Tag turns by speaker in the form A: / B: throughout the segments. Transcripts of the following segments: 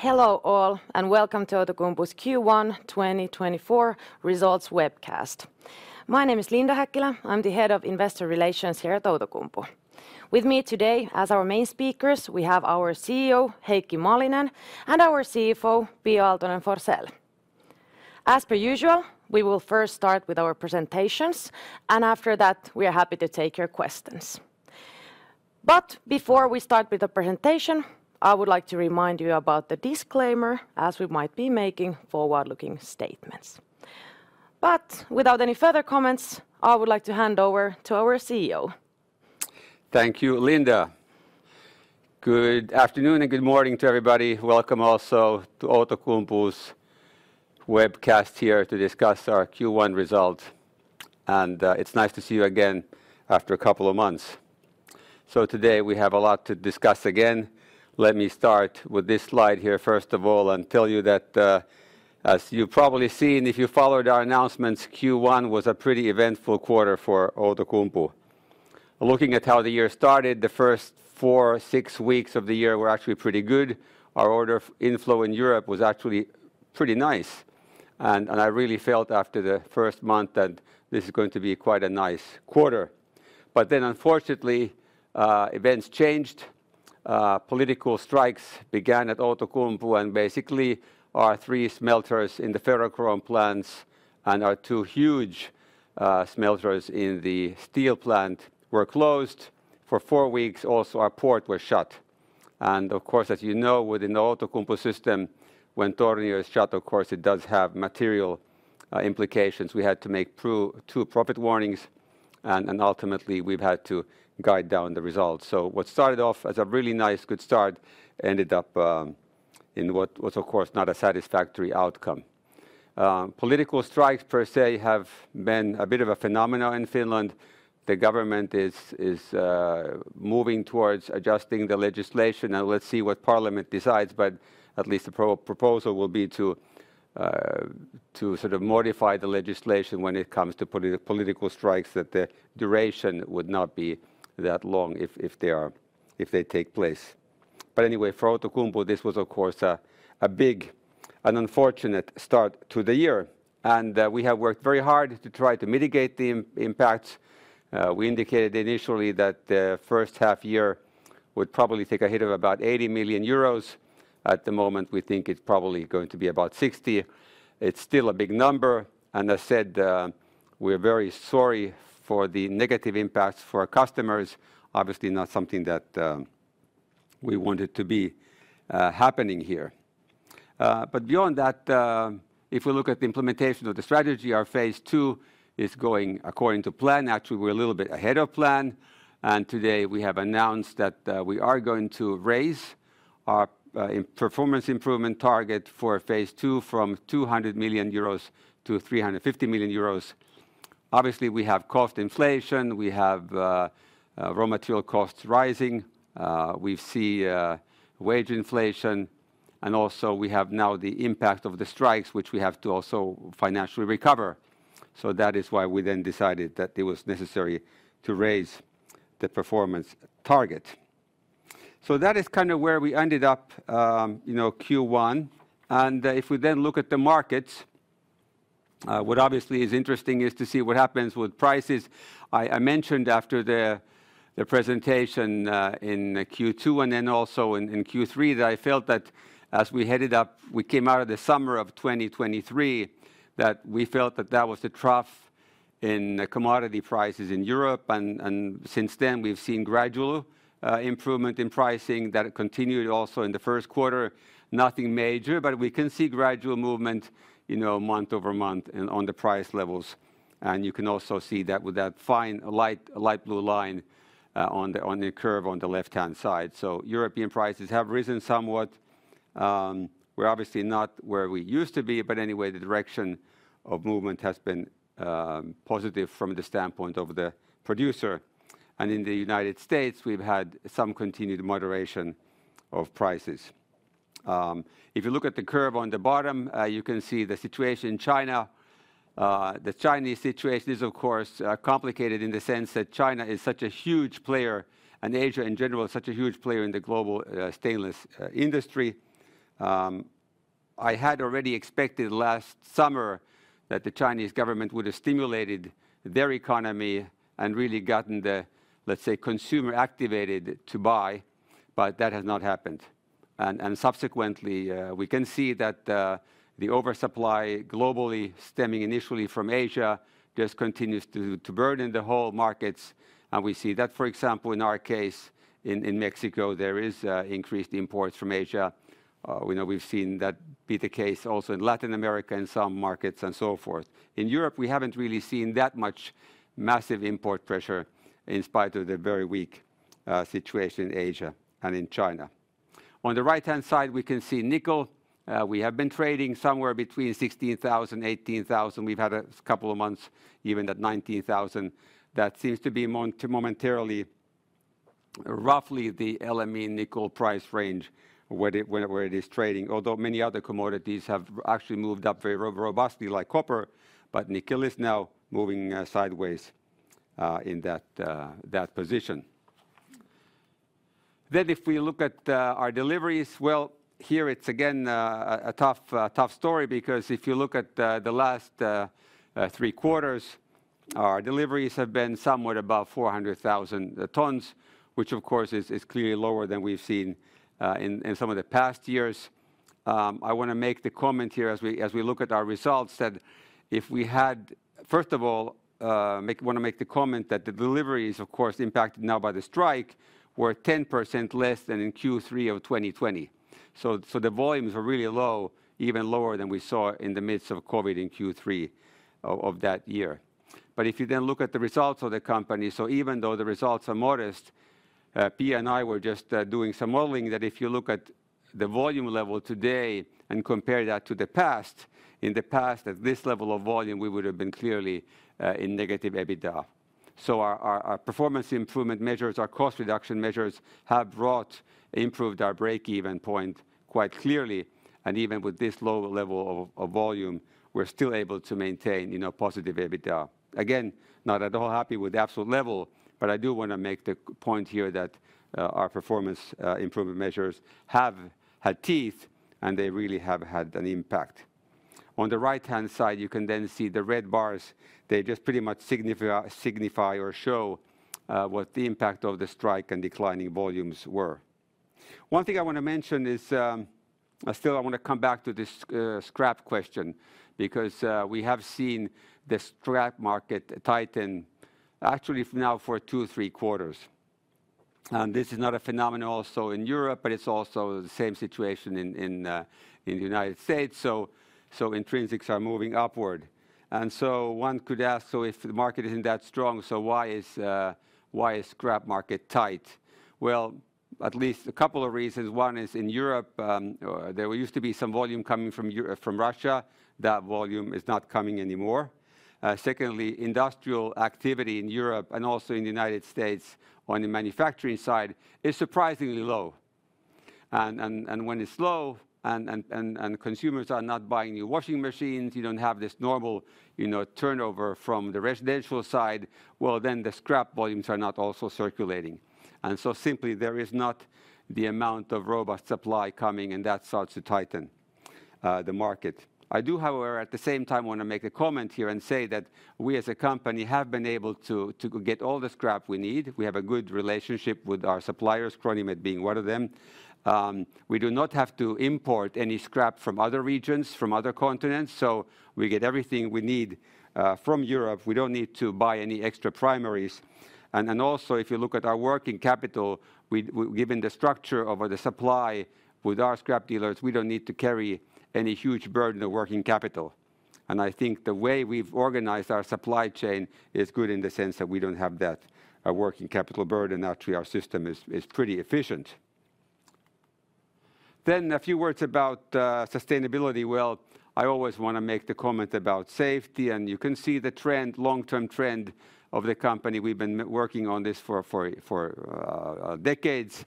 A: Hello all, and welcome to Outokumpu's Q1 2024 Results webcast. My name is Linda Häkkilä. I'm the head of Investor Relations here at Outokumpu. With me today as our main speakers, we have our CEO, Heikki Malinen, and our CFO, Pia Aaltonen-Forsell. As per usual, we will first start with our presentations, and after that, we are happy to take your questions. But before we start with the presentation, I would like to remind you about the disclaimer, as we might be making forward-looking statements. Without any further comments, I would like to hand over to our CEO.
B: Thank you, Linda. Good afternoon and good morning to everybody. Welcome also to Outokumpu's webcast here to discuss our Q1 results, and it's nice to see you again after a couple of months. So today, we have a lot to discuss again. Let me start with this slide here, first of all, and tell you that, as you've probably seen, if you followed our announcements, Q1 was a pretty eventful quarter for Outokumpu. Looking at how the year started, the first 4-6 weeks of the year were actually pretty good. Our order inflow in Europe was actually pretty nice, and I really felt after the first month that this is going to be quite a nice quarter. But then, unfortunately, events changed. Political strikes began at Outokumpu, and basically, our three smelters in the ferrochrome plants and our two huge smelters in the steel plant were closed for four weeks. Also, our port was shut, and of course, as you know, within the Outokumpu system, when Tornio is shut, of course, it does have material implications. We had to make two profit warnings, and ultimately, we've had to guide down the results. So what started off as a really nice, good start ended up in what was, of course, not a satisfactory outcome. Political strikes per se have been a bit of a phenomenon in Finland. The government is moving towards adjusting the legislation, and let's see what parliament decides, but at least the proposal will be to sort of modify the legislation when it comes to political strikes, that the duration would not be that long if they are... If they take place. But anyway, for Outokumpu, this was of course a big, an unfortunate start to the year, and we have worked very hard to try to mitigate the impact. We indicated initially that the first half year would probably take a hit of about 80 million euros. At the moment, we think it's probably going to be about 60 million. It's still a big number, and I said we're very sorry for the negative impacts for our customers. Obviously, not something that we want it to be happening here. But beyond that, if we look at the implementation of the strategy, our Phase II is going according to plan. Actually, we're a little bit ahead of plan, and today, we have announced that we are going to raise our performance improvement target for Phase II from 200 million euros to 350 million euros. Obviously, we have cost inflation, we have raw material costs rising, we see wage inflation, and also we have now the impact of the strikes, which we have to also financially recover. So that is why we then decided that it was necessary to raise the performance target. So that is kind of where we ended up, you know, Q1, and if we then look at the markets, what obviously is interesting is to see what happens with prices. I mentioned after the presentation in Q2 and then also in Q3 that I felt that as we headed up, we came out of the summer of 2023, that we felt that that was the trough in commodity prices in Europe. And since then, we've seen gradual improvement in pricing that continued also in the Q1. Nothing major, but we can see gradual movement, you know, month-over-month and on the price levels, and you can also see that with that fine, light blue line on the curve on the left-hand side. So European prices have risen somewhat. We're obviously not where we used to be, but anyway, the direction of movement has been positive from the standpoint of the producer. And in the United States, we've had some continued moderation of prices. If you look at the curve on the bottom, you can see the situation in China. The Chinese situation is, of course, complicated in the sense that China is such a huge player, and Asia in general is such a huge player in the global stainless industry. I had already expected last summer that the Chinese government would have stimulated their economy and really gotten the, let's say, consumer activated to buy, but that has not happened. Subsequently, we can see that the oversupply globally, stemming initially from Asia, just continues to burden the whole markets, and we see that, for example, in our case, in Mexico, there is increased imports from Asia. We know we've seen that be the case also in Latin America and some markets, and so forth. In Europe, we haven't really seen that much massive import pressure in spite of the very weak situation in Asia and in China. On the right-hand side, we can see nickel. We have been trading somewhere between $16,000 and $18,000. We've had a couple of months, even at $19,000. That seems to be momentarily, roughly the LME nickel price range, where it is trading. Although many other commodities have actually moved up very robustly, like copper, but nickel is now moving sideways in that position. Then if we look at our deliveries, well, here it's again a tough story, because if you look at the last three quarters, our deliveries have been somewhat above 400,000 tons, which of course is clearly lower than we've seen in some of the past years. I wanna make the comment here as we look at our results, that if we had... First of all, wanna make the comment that the deliveries, of course, impacted now by the strike, were 10% less than in Q3 of 2020. So the volumes were really low, even lower than we saw in the midst of COVID in Q3 of that year. But if you then look at the results of the company, so even though the results are modest, Pia and I were just doing some modeling, that if you look at the volume level today and compare that to the past, in the past, at this level of volume, we would have been clearly in negative EBITDA. So our performance improvement measures, our cost reduction measures, have brought, improved our break-even point quite clearly, and even with this low level of volume, we're still able to maintain, you know, positive EBITDA. Again, not at all happy with the absolute level, but I do wanna make the point here that our performance improvement measures have had teeth, and they really have had an impact. On the right-hand side, you can then see the red bars. They just pretty much signify or show what the impact of the strike and declining volumes were. One thing I wanna mention is, still I wanna come back to this, scrap question, because, we have seen the scrap market tighten, actually now for 2-3 quarters. And this is not a phenomenon also in Europe, but it's also the same situation in the United States, so, so intrinsics are moving upward. And so one could ask, "So if the market isn't that strong, so why is scrap market tight?" Well, at least a couple of reasons. One is in Europe, there used to be some volume coming from Russia. That volume is not coming anymore. Secondly, industrial activity in Europe and also in the United States, on the manufacturing side, is surprisingly low. When it's low, consumers are not buying new washing machines, you don't have this normal, you know, turnover from the residential side. Well, then the scrap volumes are not also circulating. And so simply, there is not the amount of robust supply coming, and that starts to tighten the market. I do, however, at the same time, want to make a comment here and say that we, as a company, have been able to get all the scrap we need. We have a good relationship with our suppliers, Cronimet being one of them. We do not have to import any scrap from other regions, from other continents, so we get everything we need from Europe. We don't need to buy any extra primaries. And then also, if you look at our working capital, given the structure of the supply with our scrap dealers, we don't need to carry any huge burden of working capital. And I think the way we've organized our supply chain is good in the sense that we don't have that working capital burden. Actually, our system is pretty efficient. Then a few words about sustainability. Well, I always wanna make the comment about safety, and you can see the trend, long-term trend of the company. We've been working on this for decades.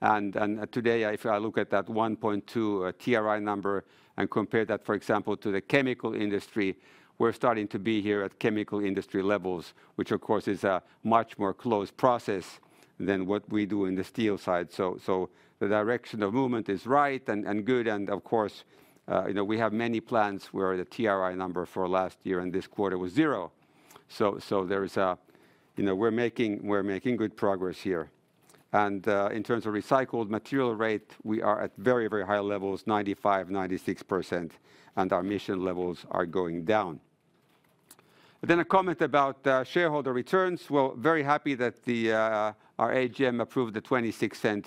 B: Today, if I look at that 1.2 TRI number and compare that, for example, to the chemical industry, we're starting to be here at chemical industry levels, which of course is a much more closed process than what we do in the steel side. So, the direction of movement is right and good, and of course, you know, we have many plants where the TRI number for last year and this quarter was zero. So, there is a... You know, we're making, we're making good progress here. And, in terms of recycled material rate, we are at very, very high levels, 95%-96%, and our emission levels are going down. Then a comment about shareholder returns. Well, very happy that the our AGM approved the 0.26 EUR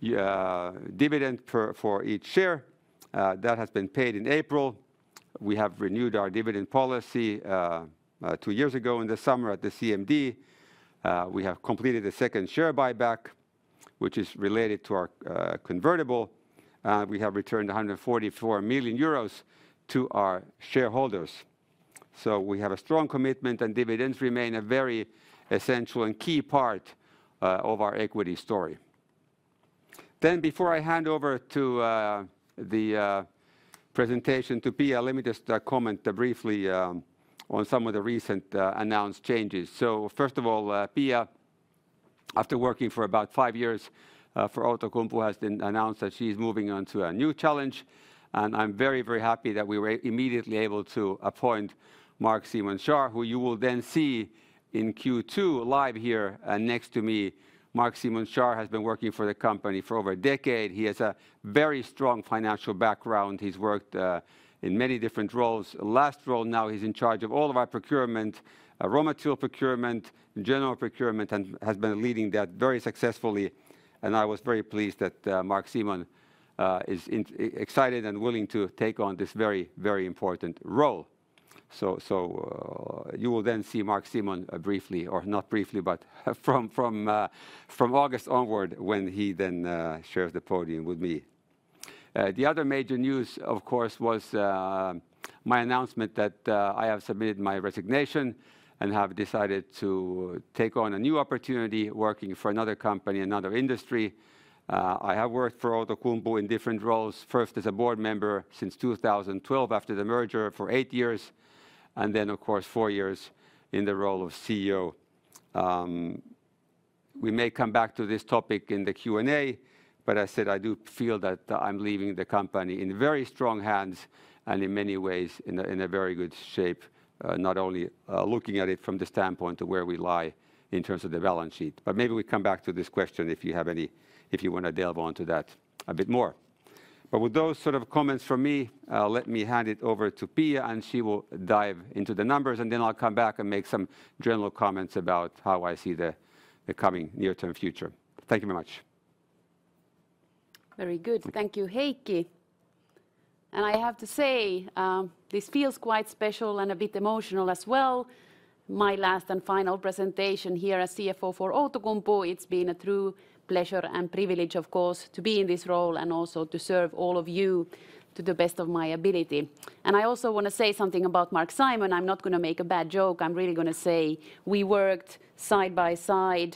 B: dividend per share for each share. That has been paid in April. We have renewed our dividend policy two years ago in the summer at the CMD. We have completed a second share buyback, which is related to our convertible. We have returned 144 million euros to our shareholders. So we have a strong commitment, and dividends remain a very essential and key part of our equity story. Then, before I hand over to the presentation to Pia, let me just comment briefly on some of the recent announced changes. So first of all, Pia, after working for about five years for Outokumpu, has been announced that she's moving on to a new challenge, and I'm very, very happy that we were immediately able to appoint Marc-Simon Schaar, who you will then see in Q2, live here next to me. Marc-Simon Schaar has been working for the company for over a decade. He has a very strong financial background. He's worked in many different roles. Last role, now he's in charge of all of our procurement, raw material procurement, general procurement, and has been leading that very successfully, and I was very pleased that Marc-Simon is excited and willing to take on this very, very important role. You will then see Marc-Simon briefly, or not briefly, but from August onward, when he then shares the podium with me. The other major news, of course, was my announcement that I have submitted my resignation and have decided to take on a new opportunity working for another company, another industry. I have worked for Outokumpu in different roles, first as a board member since 2012, after the merger, for eight years, and then, of course, four years in the role of CEO. We may come back to this topic in the Q&A, but I said I do feel that I'm leaving the company in very strong hands, and in many ways, in a very good shape. Not only looking at it from the standpoint of where we lie in terms of the balance sheet. But maybe we come back to this question if you want to delve onto that a bit more. But with those sort of comments from me, let me hand it over to Pia, and she will dive into the numbers, and then I'll come back and make some general comments about how I see the coming near-term future. Thank you very much.
C: Very good. Thank you, Heikki. I have to say, this feels quite special and a bit emotional as well, my last and final presentation here as CFO for Outokumpu. It's been a true pleasure and privilege, of course, to be in this role and also to serve all of you to the best of my ability. I also want to say something about Marc-Simon. I'm not going to make a bad joke. I'm really going to say we worked side by side,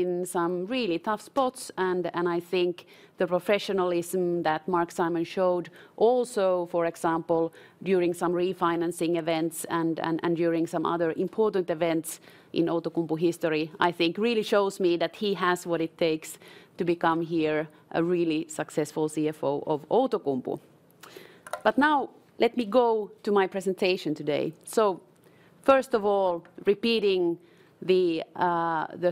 C: in some really tough spots, and I think the professionalism that Marc-Simon showed also, for example, during some refinancing events and during some other important events in Outokumpu history, I think really shows me that he has what it takes to become here a really successful CFO of Outokumpu. Now let me go to my presentation today. So first of all, repeating the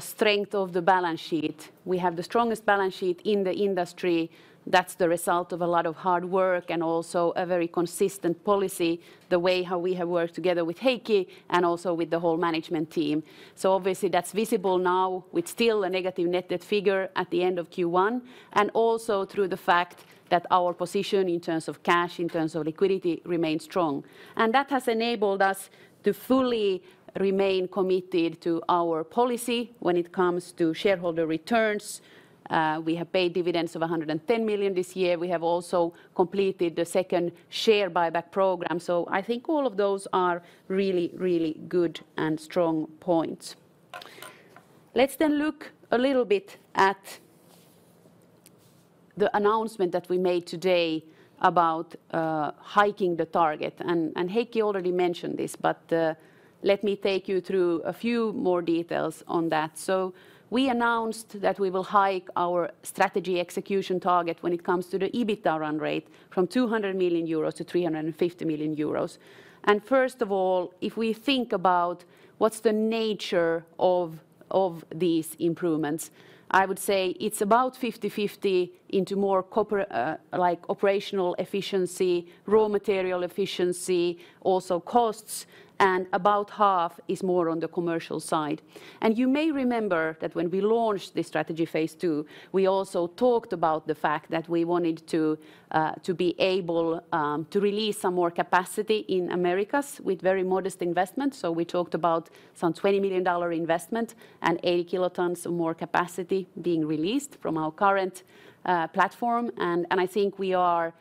C: strength of the balance sheet. We have the strongest balance sheet in the industry. That's the result of a lot of hard work and also a very consistent policy, the way how we have worked together with Heikki and also with the whole management team. So obviously, that's visible now with still a negative net debt figure at the end of Q1, and also through the fact that our position in terms of cash, in terms of liquidity, remains strong. And that has enabled us to fully remain committed to our policy when it comes to shareholder returns. We have paid dividends of 110 million this year. We have also completed the second share buyback program. So I think all of those are really, really good and strong points. Let's then look a little bit at the announcement that we made today about hiking the target. And Heikki already mentioned this, but let me take you through a few more details on that. So we announced that we will hike our strategy execution target when it comes to the EBITDA run rate from 200 million euros to 350 million euros. And first of all, if we think about what's the nature of these improvements, I would say it's about 50/50 into more corporate, like operational efficiency, raw material efficiency, also costs, and about half is more on the commercial side. And you may remember that when we launched this Strategy Phase II, we also talked about the fact that we wanted to be able to release some more capacity in Americas with very modest investment. So we talked about some $20 million investment and 80 kilotons more capacity being released from our current platform. And I think we are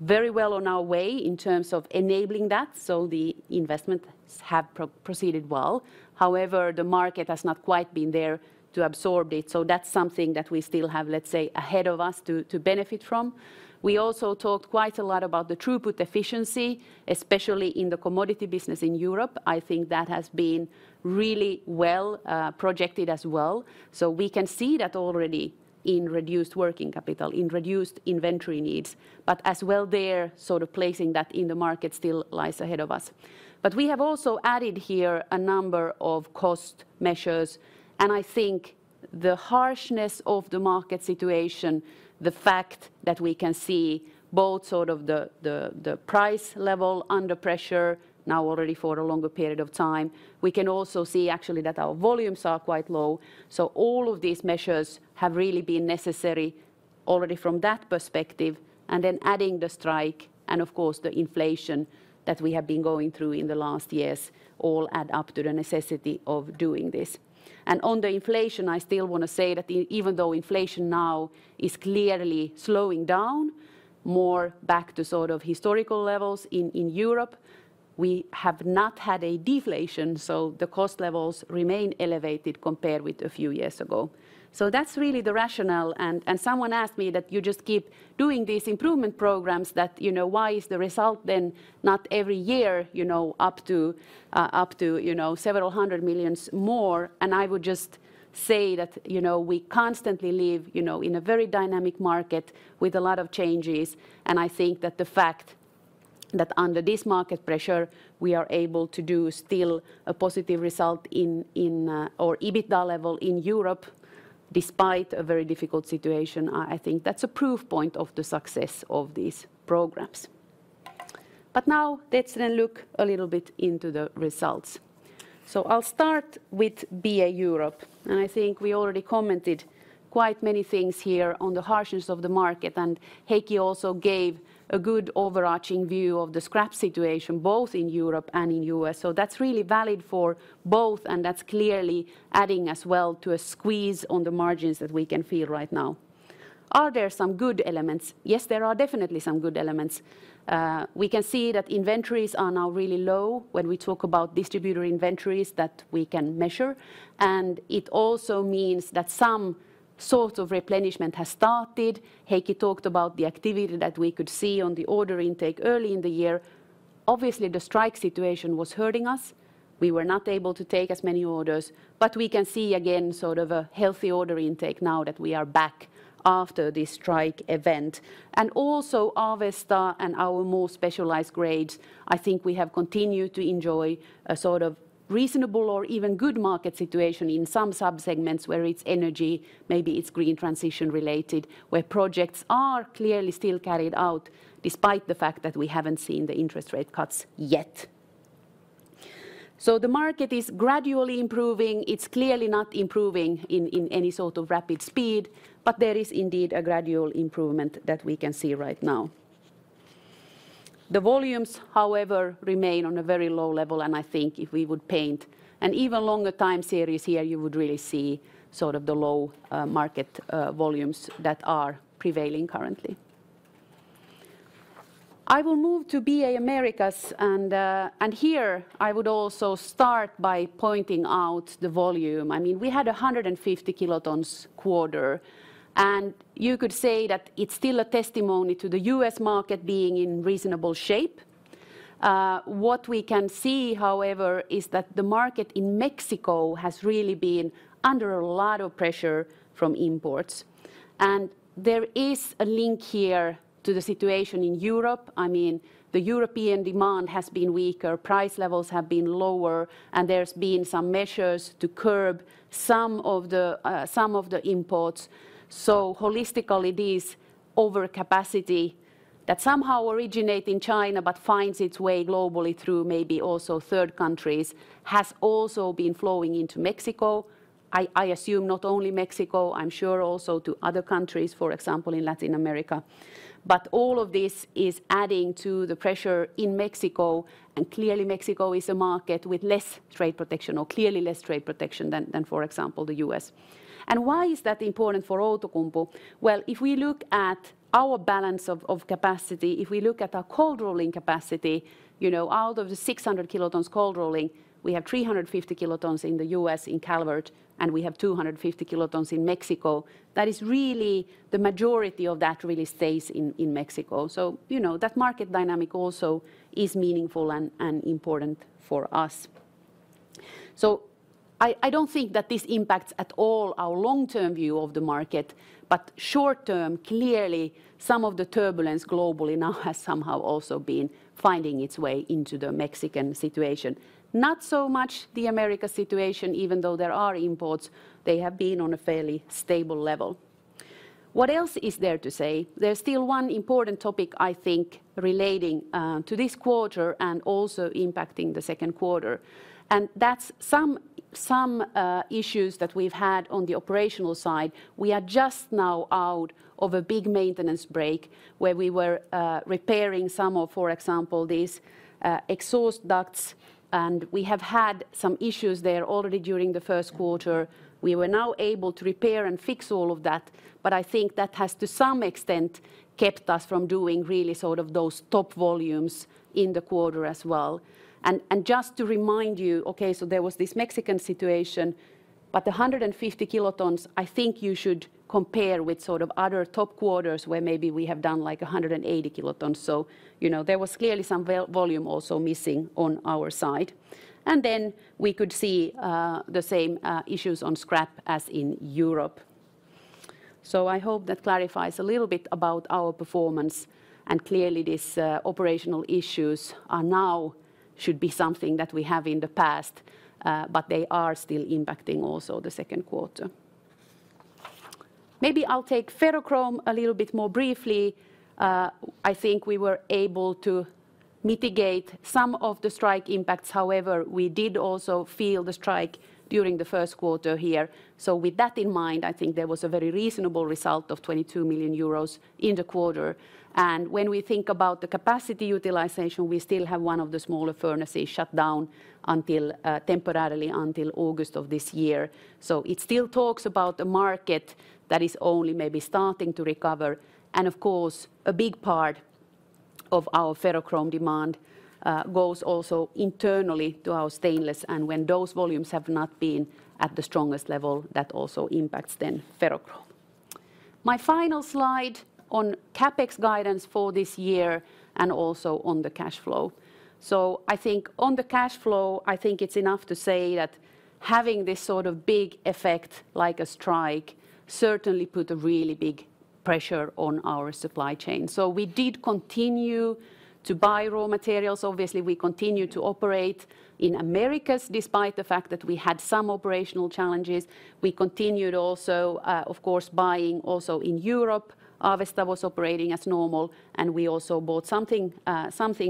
C: very well on our way in terms of enabling that, so the investments have proceeded well. However, the market has not quite been there to absorb it, so that's something that we still have, let's say, ahead of us to benefit from. We also talked quite a lot about the throughput efficiency, especially in the commodity business in Europe. I think that has been really well projected as well. So we can see that already in reduced working capital, in reduced inventory needs, but as well there, sort of placing that in the market still lies ahead of us. But we have also added here a number of cost measures, and I think the harshness of the market situation, the fact that we can see both sort of the price level under pressure now already for a longer period of time. We can also see actually that our volumes are quite low, so all of these measures have really been necessary already from that perspective. And then adding the strike and, of course, the inflation that we have been going through in the last years all add up to the necessity of doing this. And on the inflation, I still want to say that even though inflation now is clearly slowing down, more back to sort of historical levels in Europe, we have not had a deflation, so the cost levels remain elevated compared with a few years ago. So that's really the rationale, and someone asked me that you just keep doing these improvement programs, that, you know, why is the result then not every year, you know, up to, up to, you know, several hundred millions more? And I would just say that, you know, we constantly live, you know, in a very dynamic market with a lot of changes, and I think that the fact that under this market pressure, we are able to do still a positive result in or EBITDA level in Europe, despite a very difficult situation, I think that's a proof point of the success of these programs. But now let's then look a little bit into the results. So I'll start with BA Europe, and I think we already commented quite many things here on the harshness of the market, and Heikki also gave a good overarching view of the scrap situation, both in Europe and in U.S. So that's really valid for both, and that's clearly adding as well to a squeeze on the margins that we can feel right now. Are there some good elements? Yes, there are definitely some good elements. We can see that inventories are now really low when we talk about distributor inventories that we can measure, and it also means that some sort of replenishment has started. Heikki talked about the activity that we could see on the order intake early in the year.... obviously, the strike situation was hurting us. We were not able to take as many orders, but we can see again sort of a healthy order intake now that we are back after this strike event. Also, Avesta and our more specialized grades, I think we have continued to enjoy a sort of reasonable or even good market situation in some sub-segments where it's energy, maybe it's green transition related, where projects are clearly still carried out despite the fact that we haven't seen the interest rate cuts yet. So the market is gradually improving. It's clearly not improving in, in any sort of rapid speed, but there is indeed a gradual improvement that we can see right now. The volumes, however, remain on a very low level, and I think if we would paint an even longer time series here, you would really see sort of the low market volumes that are prevailing currently. I will move to BA Americas, and here I would also start by pointing out the volume. I mean, we had 150 kilotons quarter, and you could say that it's still a testimony to the U.S. market being in reasonable shape. What we can see, however, is that the market in Mexico has really been under a lot of pressure from imports, and there is a link here to the situation in Europe. I mean, the European demand has been weaker, price levels have been lower, and there's been some measures to curb some of the imports. So holistically, this overcapacity that somehow originate in China but finds its way globally through maybe also third countries, has also been flowing into Mexico. I assume not only Mexico, I'm sure also to other countries, for example, in Latin America. But all of this is adding to the pressure in Mexico, and clearly Mexico is a market with less trade protection or clearly less trade protection than, for example, the US. And why is that important for Outokumpu? Well, if we look at our balance of capacity, if we look at our cold rolling capacity, you know, out of the 600 kilotons cold rolling, we have 350 kilotons in the US in Calvert, and we have 250 kilotons in Mexico. That is really the majority of that really stays in Mexico. You know, that market dynamic also is meaningful and important for us. So I don't think that this impacts at all our long-term view of the market, but short term, clearly, some of the turbulence globally now has somehow also been finding its way into the Mexican situation. Not so much the America situation, even though there are imports, they have been on a fairly stable level. What else is there to say? There's still one important topic, I think, relating to this quarter and also impacting the Q2, and that's some issues that we've had on the operational side. We are just now out of a big maintenance break where we were repairing some of, for example, these exhaust ducts, and we have had some issues there already during the Q1. We were now able to repair and fix all of that, but I think that has, to some extent, kept us from doing really sort of those top volumes in the quarter as well. And just to remind you, okay, so there was this Mexican situation, but the 150 kilotons, I think you should compare with sort of other top quarters where maybe we have done, like, 180 kilotons. So, you know, there was clearly some volume also missing on our side. And then we could see the same issues on scrap as in Europe. So I hope that clarifies a little bit about our performance, and clearly, this operational issues are now should be something that we have in the past, but they are still impacting also the Q2. Maybe I'll take ferrochrome a little bit more briefly. I think we were able to mitigate some of the strike impacts. However, we did also feel the strike during the Q1 here. So with that in mind, I think there was a very reasonable result of 22 million euros in the quarter. And when we think about the capacity utilization, we still have one of the smaller furnaces shut down until, temporarily until August of this year. So it still talks about a market that is only maybe starting to recover. And of course, a big part of our ferrochrome demand goes also internally to our stainless, and when those volumes have not been at the strongest level, that also impacts then ferrochrome. My final slide on CapEx guidance for this year and also on the cash flow. So I think on the cash flow, I think it's enough to say that having this sort of big effect, like a strike, certainly put a really big pressure on our supply chain. So we did continue to buy raw materials. Obviously, we continued to operate in Americas, despite the fact that we had some operational challenges. We continued also, of course, buying also in Europe. Avesta was operating as normal, and we also bought something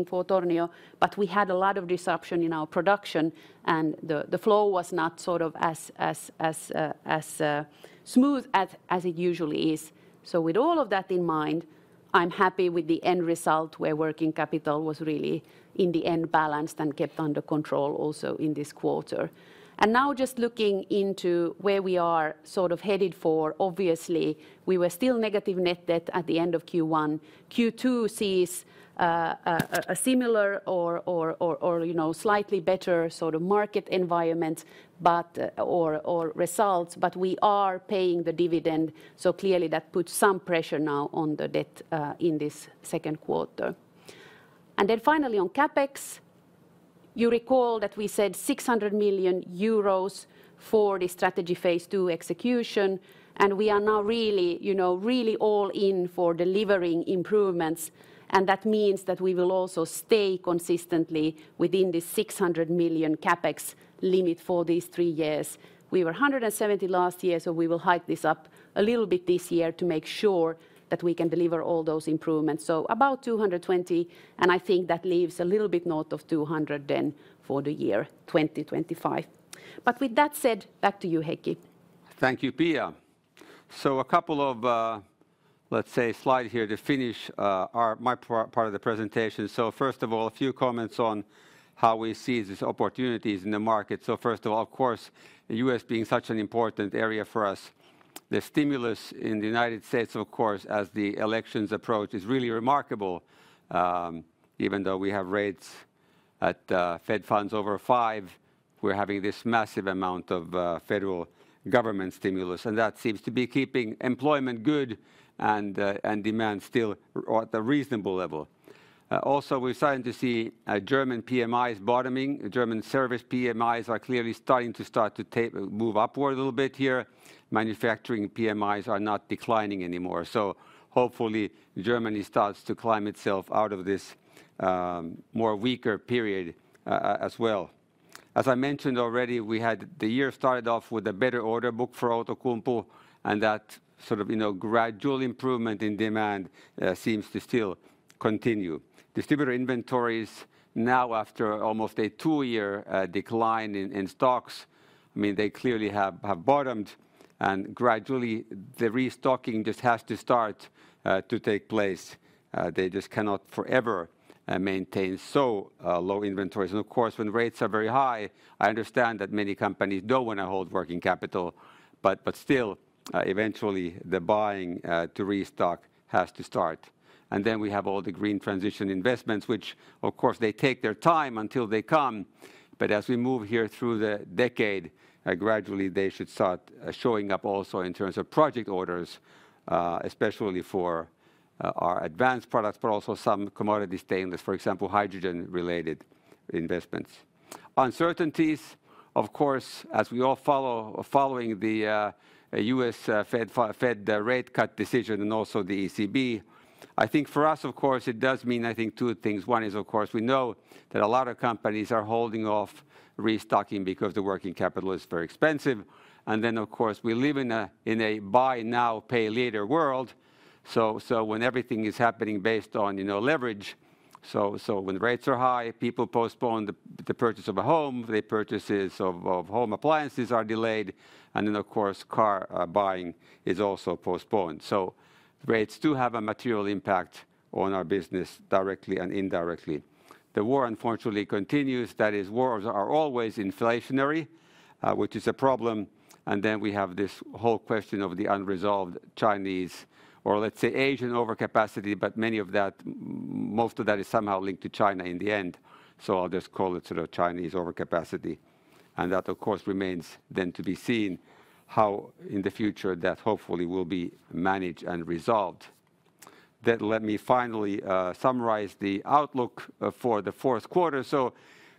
C: for Tornio, but we had a lot of disruption in our production, and the flow was not sort of as smooth as it usually is. So with all of that in mind, I'm happy with the end result, where working capital was really, in the end, balanced and kept under control also in this quarter. Now just looking into where we are sort of headed for, obviously, we were still negative net debt at the end of Q1. Q2 sees a similar or you know slightly better sort of market environment, but or results, but we are paying the dividend, so clearly that puts some pressure now on the debt in this Q2. And then finally, on CapEx. You recall that we said 600 million euros for the strategy Phase II execution, and we are now really, you know, really all in for delivering improvements. And that means that we will also stay consistently within the 600 million CapEx limit for these three years. We were 170 last year, so we will hike this up a little bit this year to make sure that we can deliver all those improvements. About 220, and I think that leaves a little bit north of 200 then for the year 2025. But with that said, back to you, Heikki.
B: Thank you, Pia. So a couple of, let's say, slide here to finish my part of the presentation. So first of all, a few comments on how we see these opportunities in the market. So first of all, of course, the U.S. being such an important area for us, the stimulus in the United States, of course, as the elections approach, is really remarkable. Even though we have rates at Fed Funds over 5, we're having this massive amount of federal government stimulus, and that seems to be keeping employment good and demand still at a reasonable level. Also, we're starting to see German PMIs bottoming. German service PMIs are clearly starting to move upward a little bit here. Manufacturing PMIs are not declining anymore, so hopefully, Germany starts to climb itself out of this more weaker period, as well. As I mentioned already, the year started off with a better order book for Outokumpu, and that sort of, you know, gradual improvement in demand seems to still continue. Distributor inventories now, after almost a two-year decline in stocks, I mean, they clearly have bottomed, and gradually, the restocking just has to start to take place. They just cannot forever maintain so low inventories. And of course, when rates are very high, I understand that many companies don't wanna hold working capital, but still, eventually, the buying to restock has to start. Then we have all the green transition investments, which of course, they take their time until they come, but as we move here through the decade, gradually they should start showing up also in terms of project orders, especially for our advanced products, but also some commodity stainless, for example, hydrogen-related investments. Uncertainties, of course, as we all follow, are following the U.S. Fed rate cut decision and also the ECB. I think for us, of course, it does mean, I think, two things. One is, of course, we know that a lot of companies are holding off restocking because the working capital is very expensive, and then, of course, we live in a, in a buy now, pay later world. So when everything is happening based on, you know, leverage, when rates are high, people postpone the purchase of a home, the purchases of home appliances are delayed, and then, of course, car buying is also postponed. So rates do have a material impact on our business, directly and indirectly. The war, unfortunately, continues. That is, wars are always inflationary, which is a problem, and then we have this whole question of the unresolved Chinese, or let's say, Asian overcapacity, but most of that is somehow linked to China in the end. So I'll just call it sort of Chinese overcapacity. And that, of course, remains then to be seen, how in the future that hopefully will be managed and resolved. Then let me finally summarize the outlook for the fourth quarter. So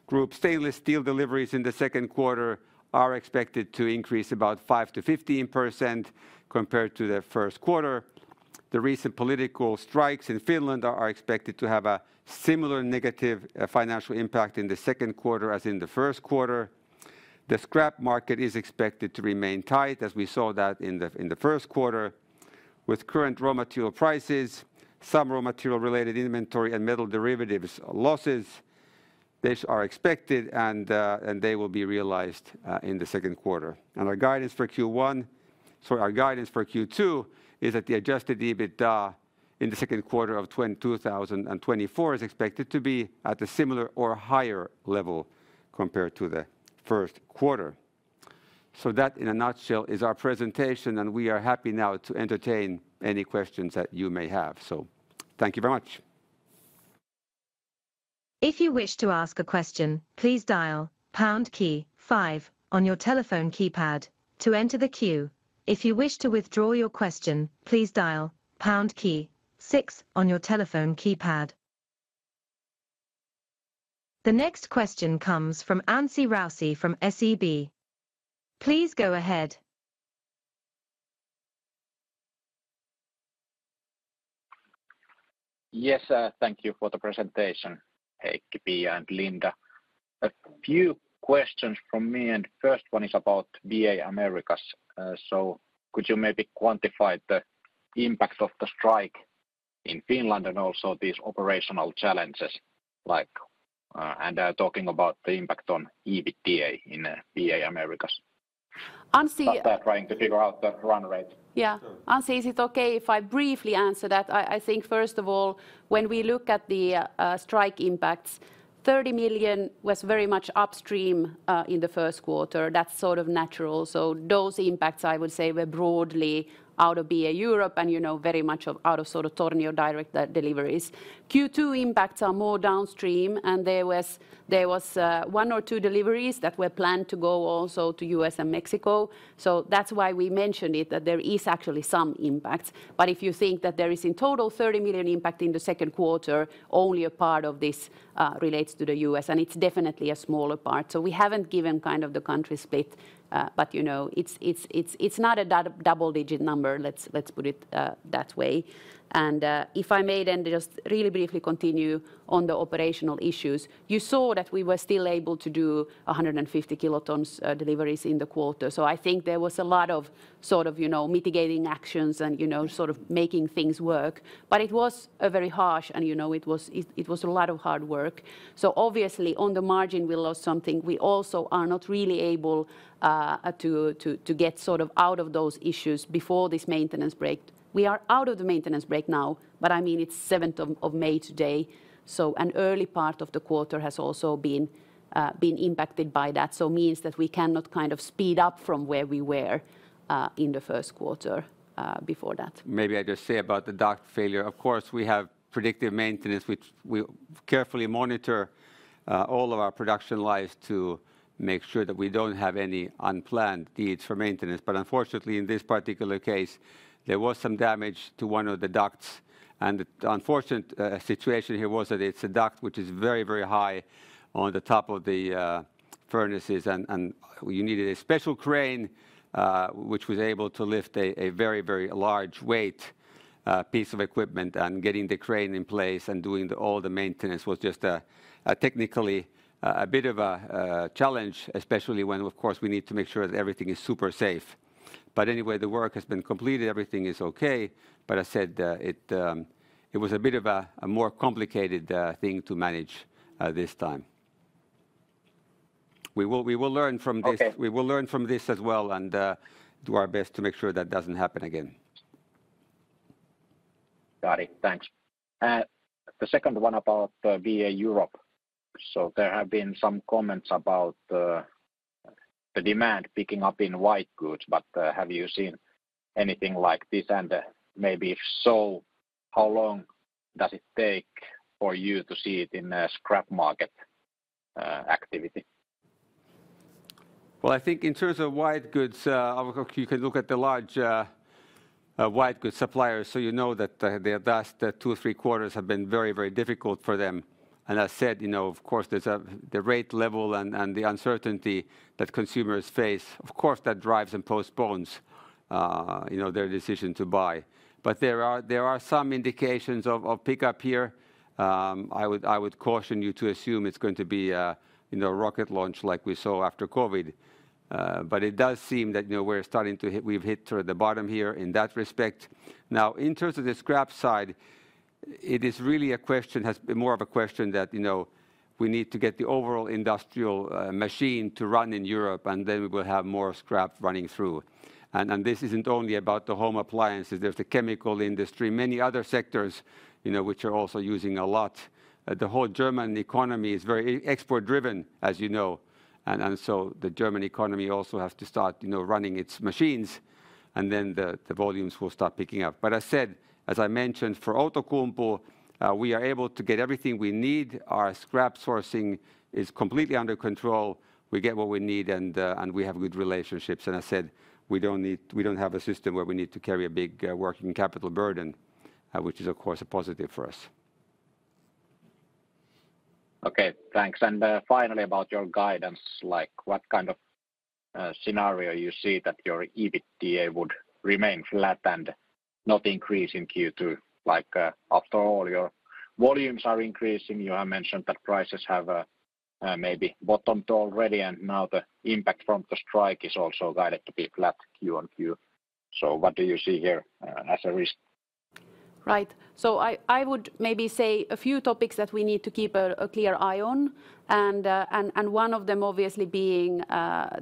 B: Group stainless steel deliveries in the Q2 are expected to increase about 5%-15% compared to the Q1. The recent political strikes in Finland are expected to have a similar negative financial impact in the Q2 as in the Q1. The scrap market is expected to remain tight, as we saw that in the Q1. With current raw material prices, some raw material-related inventory and metal derivatives losses. These are expected, and they will be realized in the Q2. And our guidance for Q1. Sorry, our guidance for Q2 is that the Adjusted EBITDA in the Q2 of 2024 is expected to be at a similar or higher level compared to the Q1. That, in a nutshell, is our presentation, and we are happy now to entertain any questions that you may have. Thank you very much.
D: If you wish to ask a question, please dial pound key five on your telephone keypad to enter the queue. If you wish to withdraw your question, please dial pound key six on your telephone keypad. The next question comes from Anssi Kiviniemi from SEB. Please go ahead.
E: Yes, thank you for the presentation, Heikki, Pia, and Linda. A few questions from me, and first one is about BA Americas. So could you maybe quantify the impact of the strike in Finland and also these operational challenges, like, and, talking about the impact on EBITDA in BA Americas?... out there trying to figure out the run rate.
C: Yeah. Anssi, is it okay if I briefly answer that? I, I think first of all, when we look at the strike impacts, 30 million was very much upstream in the Q1. That's sort of natural, so those impacts, I would say, were broadly out of BA Europe, and you know, very much out of sort of Tornio direct deliveries. Q2 impacts are more downstream, and there was one or two deliveries that were planned to go also to US and Mexico, so that's why we mentioned it, that there is actually some impact. But if you think that there is in total 30 million impact in the Q2, only a part of this relates to the US, and it's definitely a smaller part. So we haven't given kind of the country split, but, you know, it's not a double-digit number, let's put it that way. And, if I may then just really briefly continue on the operational issues, you saw that we were still able to do 150 kilotons deliveries in the quarter. So I think there was a lot of sort of, you know, mitigating actions and, you know, sort of making things work. But it was a very harsh, and, you know, it was a lot of hard work. So obviously, on the margin we lost something. We also are not really able to get sort of out of those issues before this maintenance break. We are out of the maintenance break now, but, I mean, it's seventh of May today, so an early part of the quarter has also been impacted by that, so means that we cannot kind of speed up from where we were in the Q1 before that.
B: Maybe I just say about the duct failure. Of course, we have predictive maintenance, which we carefully monitor all of our production lines to make sure that we don't have any unplanned needs for maintenance. But unfortunately, in this particular case, there was some damage to one of the ducts, and the unfortunate situation here was that it's a duct which is very, very high on the top of the furnaces, and we needed a special crane which was able to lift a very, very large weight piece of equipment. Getting the crane in place and doing all the maintenance was just a technically a bit of a challenge, especially when, of course, we need to make sure that everything is super safe. But anyway, the work has been completed. Everything is okay. But I said, it was a bit of a more complicated thing to manage this time. We will learn from this.
E: Okay.
B: We will learn from this as well and do our best to make sure that doesn't happen again.
E: Got it. Thanks. The second one about BA Europe, so there have been some comments about the demand picking up in white goods, but have you seen anything like this? And maybe if so, how long does it take for you to see it in the scrap market activity?
B: Well, I think in terms of white goods, I would... You can look at the large white goods suppliers, so you know that the last two, three quarters have been very, very difficult for them. And I said, you know, of course, there's the rate level and the uncertainty that consumers face, of course, that drives and postpones you know, their decision to buy. But there are some indications of pick-up here. I would caution you to assume it's going to be a you know, rocket launch like we saw after COVID. But it does seem that you know, we're starting to hit- we've hit toward the bottom here in that respect. Now, in terms of the scrap side, it's really more of a question that, you know, we need to get the overall industrial machine to run in Europe, and then we will have more scrap running through. And, and this isn't only about the home appliances. There's the chemical industry, many other sectors, you know, which are also using a lot. The whole German economy is very export driven, as you know, and, and so the German economy also has to start, you know, running its machines, and then the, the volumes will start picking up. But I said, as I mentioned, for Outokumpu, we are able to get everything we need. Our scrap sourcing is completely under control. We get what we need, and, and we have good relationships. I said, we don't have a system where we need to carry a big working capital burden, which is, of course, a positive for us.
E: Okay, thanks. And, finally, about your guidance, like, what kind of scenario you see that your EBITDA would remain flat and not increase in Q2? Like, after all, your volumes are increasing. You have mentioned that prices have, maybe bottomed already, and now the impact from the strike is also guided to be flat Q on Q. So what do you see here, as a risk?
C: Right. So I would maybe say a few topics that we need to keep a clear eye on, and one of them obviously being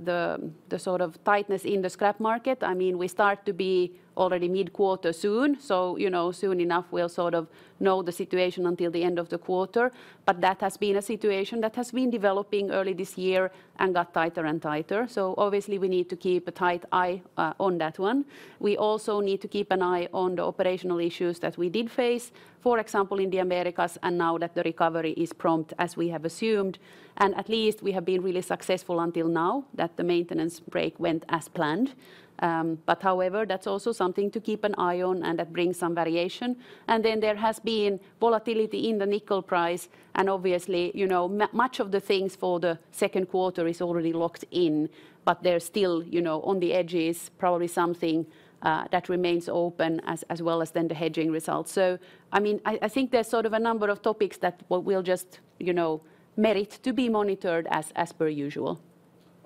C: the sort of tightness in the scrap market. I mean, we start to be already mid-quarter soon, so you know, soon enough we'll sort of know the situation until the end of the quarter. But that has been a situation that has been developing early this year and got tighter and tighter, so obviously we need to keep a tight eye on that one. We also need to keep an eye on the operational issues that we did face, for example, in the Americas, and now that the recovery is prompt, as we have assumed, and at least we have been really successful until now, that the maintenance break went as planned. But however, that's also something to keep an eye on, and that brings some variation. And then there has been volatility in the nickel price, and obviously, you know, much of the things for the Q2 is already locked in. But there are still, you know, on the edges, probably something that remains open, as well as then the hedging results. So I mean, I think there's sort of a number of topics that we'll just, you know, merit to be monitored as per usual.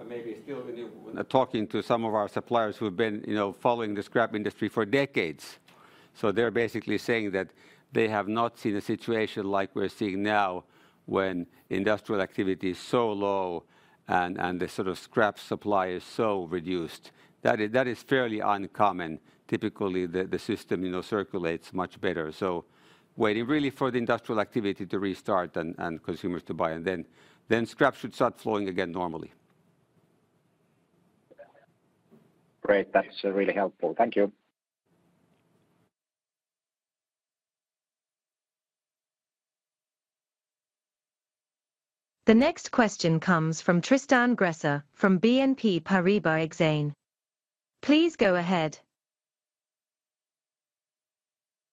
B: But maybe still when you... When talking to some of our suppliers who have been, you know, following the scrap industry for decades... So they're basically saying that they have not seen a situation like we're seeing now, when industrial activity is so low and the sort of scrap supply is so reduced. That is fairly uncommon. Typically, the system, you know, circulates much better. So waiting really for the industrial activity to restart and consumers to buy, and then scrap should start flowing again normally.
E: Great, that's really helpful. Thank you.
D: The next question comes from Tristan Gresser from BNP Paribas Exane. Please go ahead.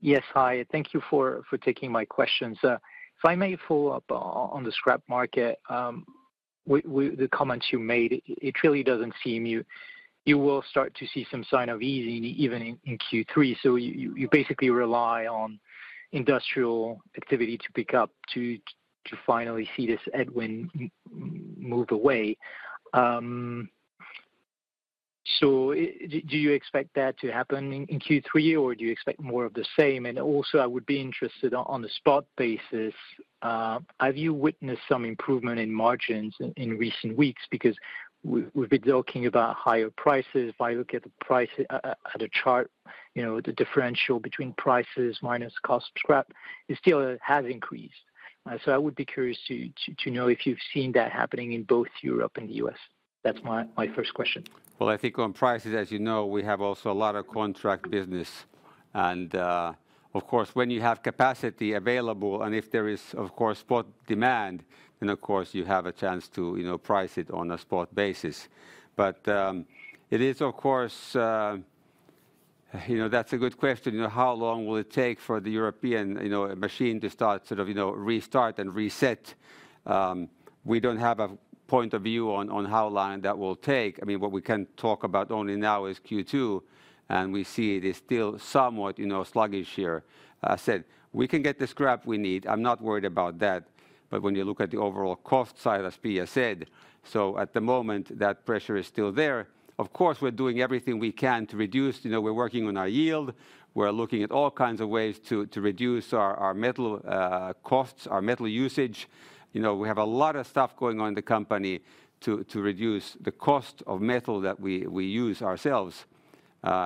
F: Yes, hi, thank you for taking my questions. If I may follow up on the scrap market with the comments you made, it really doesn't seem you will start to see some sign of easing even in Q3, so you basically rely on industrial activity to pick up to finally see this headwind move away. So do you expect that to happen in Q3, or do you expect more of the same? And also, I would be interested on the spot basis. Have you witnessed some improvement in margins in recent weeks? Because we've been talking about higher prices. If I look at the price at a chart, you know, the differential between prices minus cost of scrap is still... has increased. So I would be curious to know if you've seen that happening in both Europe and the US. That's my first question.
B: Well, I think on prices, as you know, we have also a lot of contract business, and, of course, when you have capacity available, and if there is, of course, spot demand, then of course, you have a chance to, you know, price it on a spot basis. But, it is of course. You know, that's a good question, you know, how long will it take for the European, you know, machine to start, sort of, you know, restart and reset? We don't have a point of view on, on how long that will take. I mean, what we can talk about only now is Q2, and we see it is still somewhat, you know, sluggish here. As said, we can get the scrap we need, I'm not worried about that. But when you look at the overall cost side, as Pia said, so at the moment, that pressure is still there. Of course, we're doing everything we can to reduce. You know, we're working on our yield, we're looking at all kinds of ways to reduce our metal costs, our metal usage. You know, we have a lot of stuff going on in the company to reduce the cost of metal that we use ourselves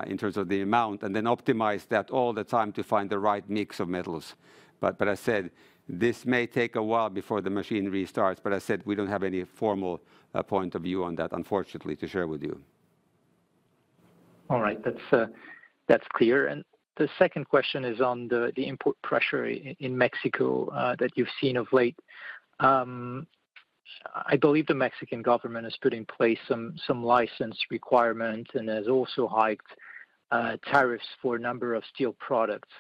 B: in terms of the amount, and then optimize that all the time to find the right mix of metals. But I said, this may take a while before the machine restarts, but I said we don't have any formal point of view on that, unfortunately, to share with you.
F: All right, that's, that's clear. And the second question is on the, the import pressure in Mexico, that you've seen of late. I believe the Mexican government has put in place some, some license requirement and has also hiked, tariffs for a number of steel products.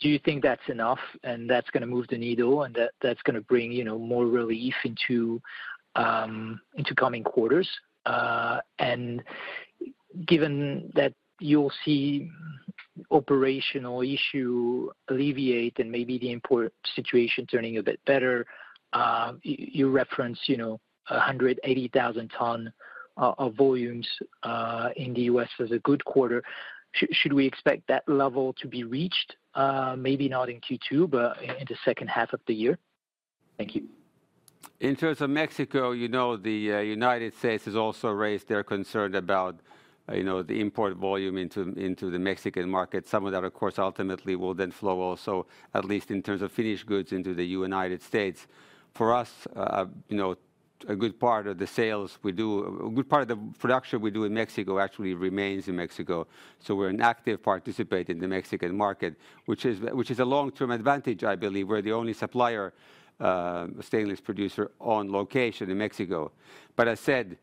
F: Do you think that's enough, and that's gonna move the needle, and that, that's gonna bring, you know, more relief into, into coming quarters? And given that you'll see operational issue alleviate and maybe the import situation turning a bit better, you reference, you know, 180,000 ton of volumes, in the US as a good quarter. Should we expect that level to be reached, maybe not in Q2, but in the second half of the year? Thank you.
B: In terms of Mexico, you know, the United States has also raised their concern about, you know, the import volume into the Mexican market. Some of that, of course, ultimately will then flow also, at least in terms of finished goods, into the United States. For us, you know, a good part of the sales we do, a good part of the production we do in Mexico actually remains in Mexico, so we're an active participant in the Mexican market, which is a long-term advantage, I believe. We're the only supplier, stainless producer on location in Mexico. But I said,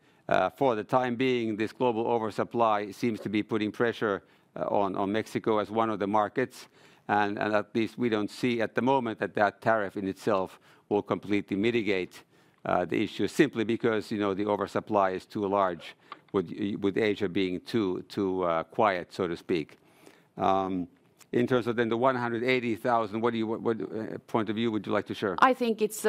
B: for the time being, this global oversupply seems to be putting pressure on Mexico as one of the markets, and at least we don't see, at the moment, that that tariff in itself will completely mitigate the issue. Simply because, you know, the oversupply is too large with Asia being too, too quiet, so to speak. In terms of then the 180,000, what do you... What point of view would you like to share?
C: I think it's,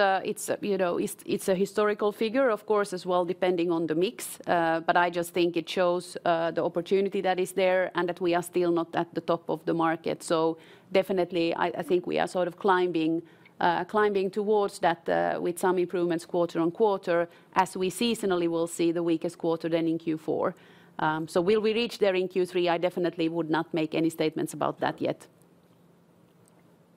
C: you know, it's a historical figure, of course, as well, depending on the mix. But I just think it shows the opportunity that is there, and that we are still not at the top of the market. So definitely, I think we are sort of climbing towards that, with some improvements quarter on quarter, as we seasonally will see the weakest quarter then in Q4. So will we reach there in Q3? I definitely would not make any statements about that yet.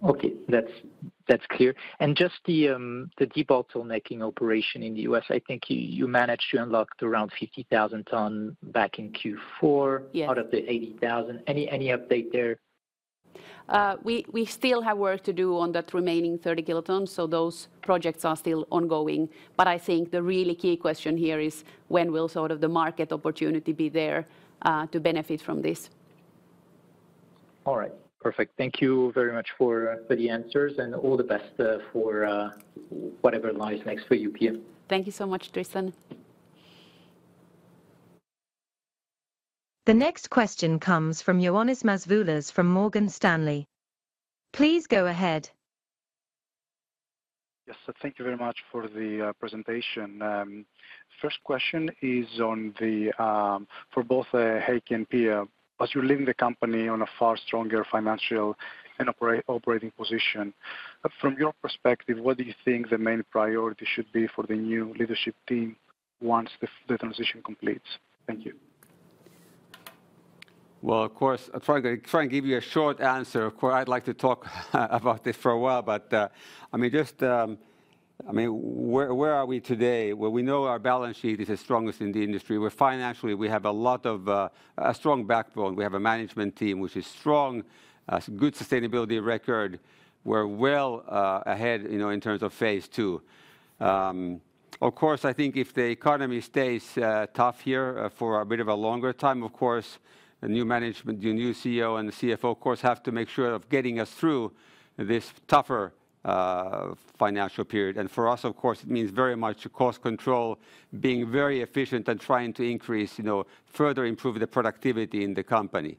F: Okay, that's clear. And just the deep auto making operation in the U.S., I think you managed to unlock around 50,000 tons back in Q4-
C: Yes
F: out of the 80,000. Any, any update there?
C: We still have work to do on that remaining 30 kilotons, so those projects are still ongoing. But I think the really key question here is: When will sort of the market opportunity be there to benefit from this?
F: All right. Perfect. Thank you very much for the answers, and all the best for whatever lies next for you, Pia.
C: Thank you so much, Tristan.
D: The next question comes from Ioannis Masvoulas from Morgan Stanley. Please go ahead....
G: So thank you very much for the presentation. First question is for both Heikki and Pia. As you're leaving the company on a far stronger financial and operating position, from your perspective, what do you think the main priority should be for the new leadership team once the transition completes? Thank you.
B: Well, of course, I'll try and give you a short answer. Of course, I'd like to talk about this for a while, but, I mean, just... I mean, where are we today? Well, we know our balance sheet is the strongest in the industry. We're financially strong. We have a strong backbone. We have a management team which is strong, some good sustainability record. We're well ahead, you know, in terms of Phase II. Of course, I think if the economy stays tough here for a bit of a longer time, of course, the new management, the new CEO and the CFO, of course, have to make sure of getting us through this tougher financial period. And for us, of course, it means very much cost control, being very efficient and trying to increase, you know, further improve the productivity in the company.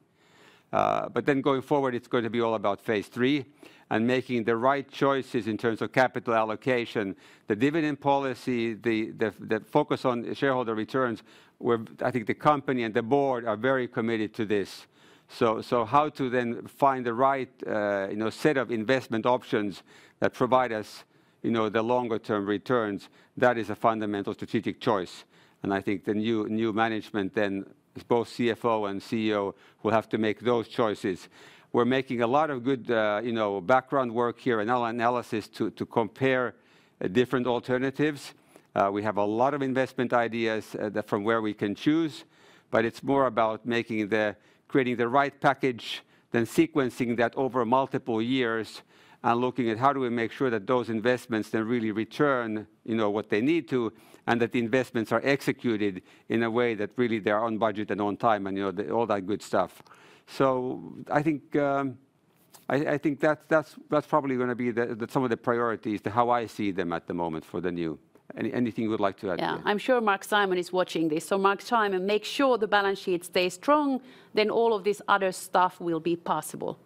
B: But then going forward, it's going to be all about Phase III and making the right choices in terms of capital allocation. The dividend policy, the focus on shareholder returns, we're—I think the company and the board are very committed to this. So, so how to then find the right, uh, you know, set of investment options that provide us, you know, the longer term returns, that is a fundamental strategic choice. And I think the new management, then both CFO and CEO, will have to make those choices. We're making a lot of good, uh, you know, background work here and analysis to compare, uh, different alternatives. We have a lot of investment ideas that from where we can choose, but it's more about creating the right package, then sequencing that over multiple years and looking at how do we make sure that those investments then really return, you know, what they need to, and that the investments are executed in a way that really they are on budget and on time, and, you know, all that good stuff. So I think that's probably gonna be the some of the priorities to how I see them at the moment for the new. Anything you would like to add to it?
C: Yeah. I'm sure Marc-Simon Schaar is watching this. So, Marc-Simon Schaar, make sure the balance sheet stays strong, then all of this other stuff will be possible.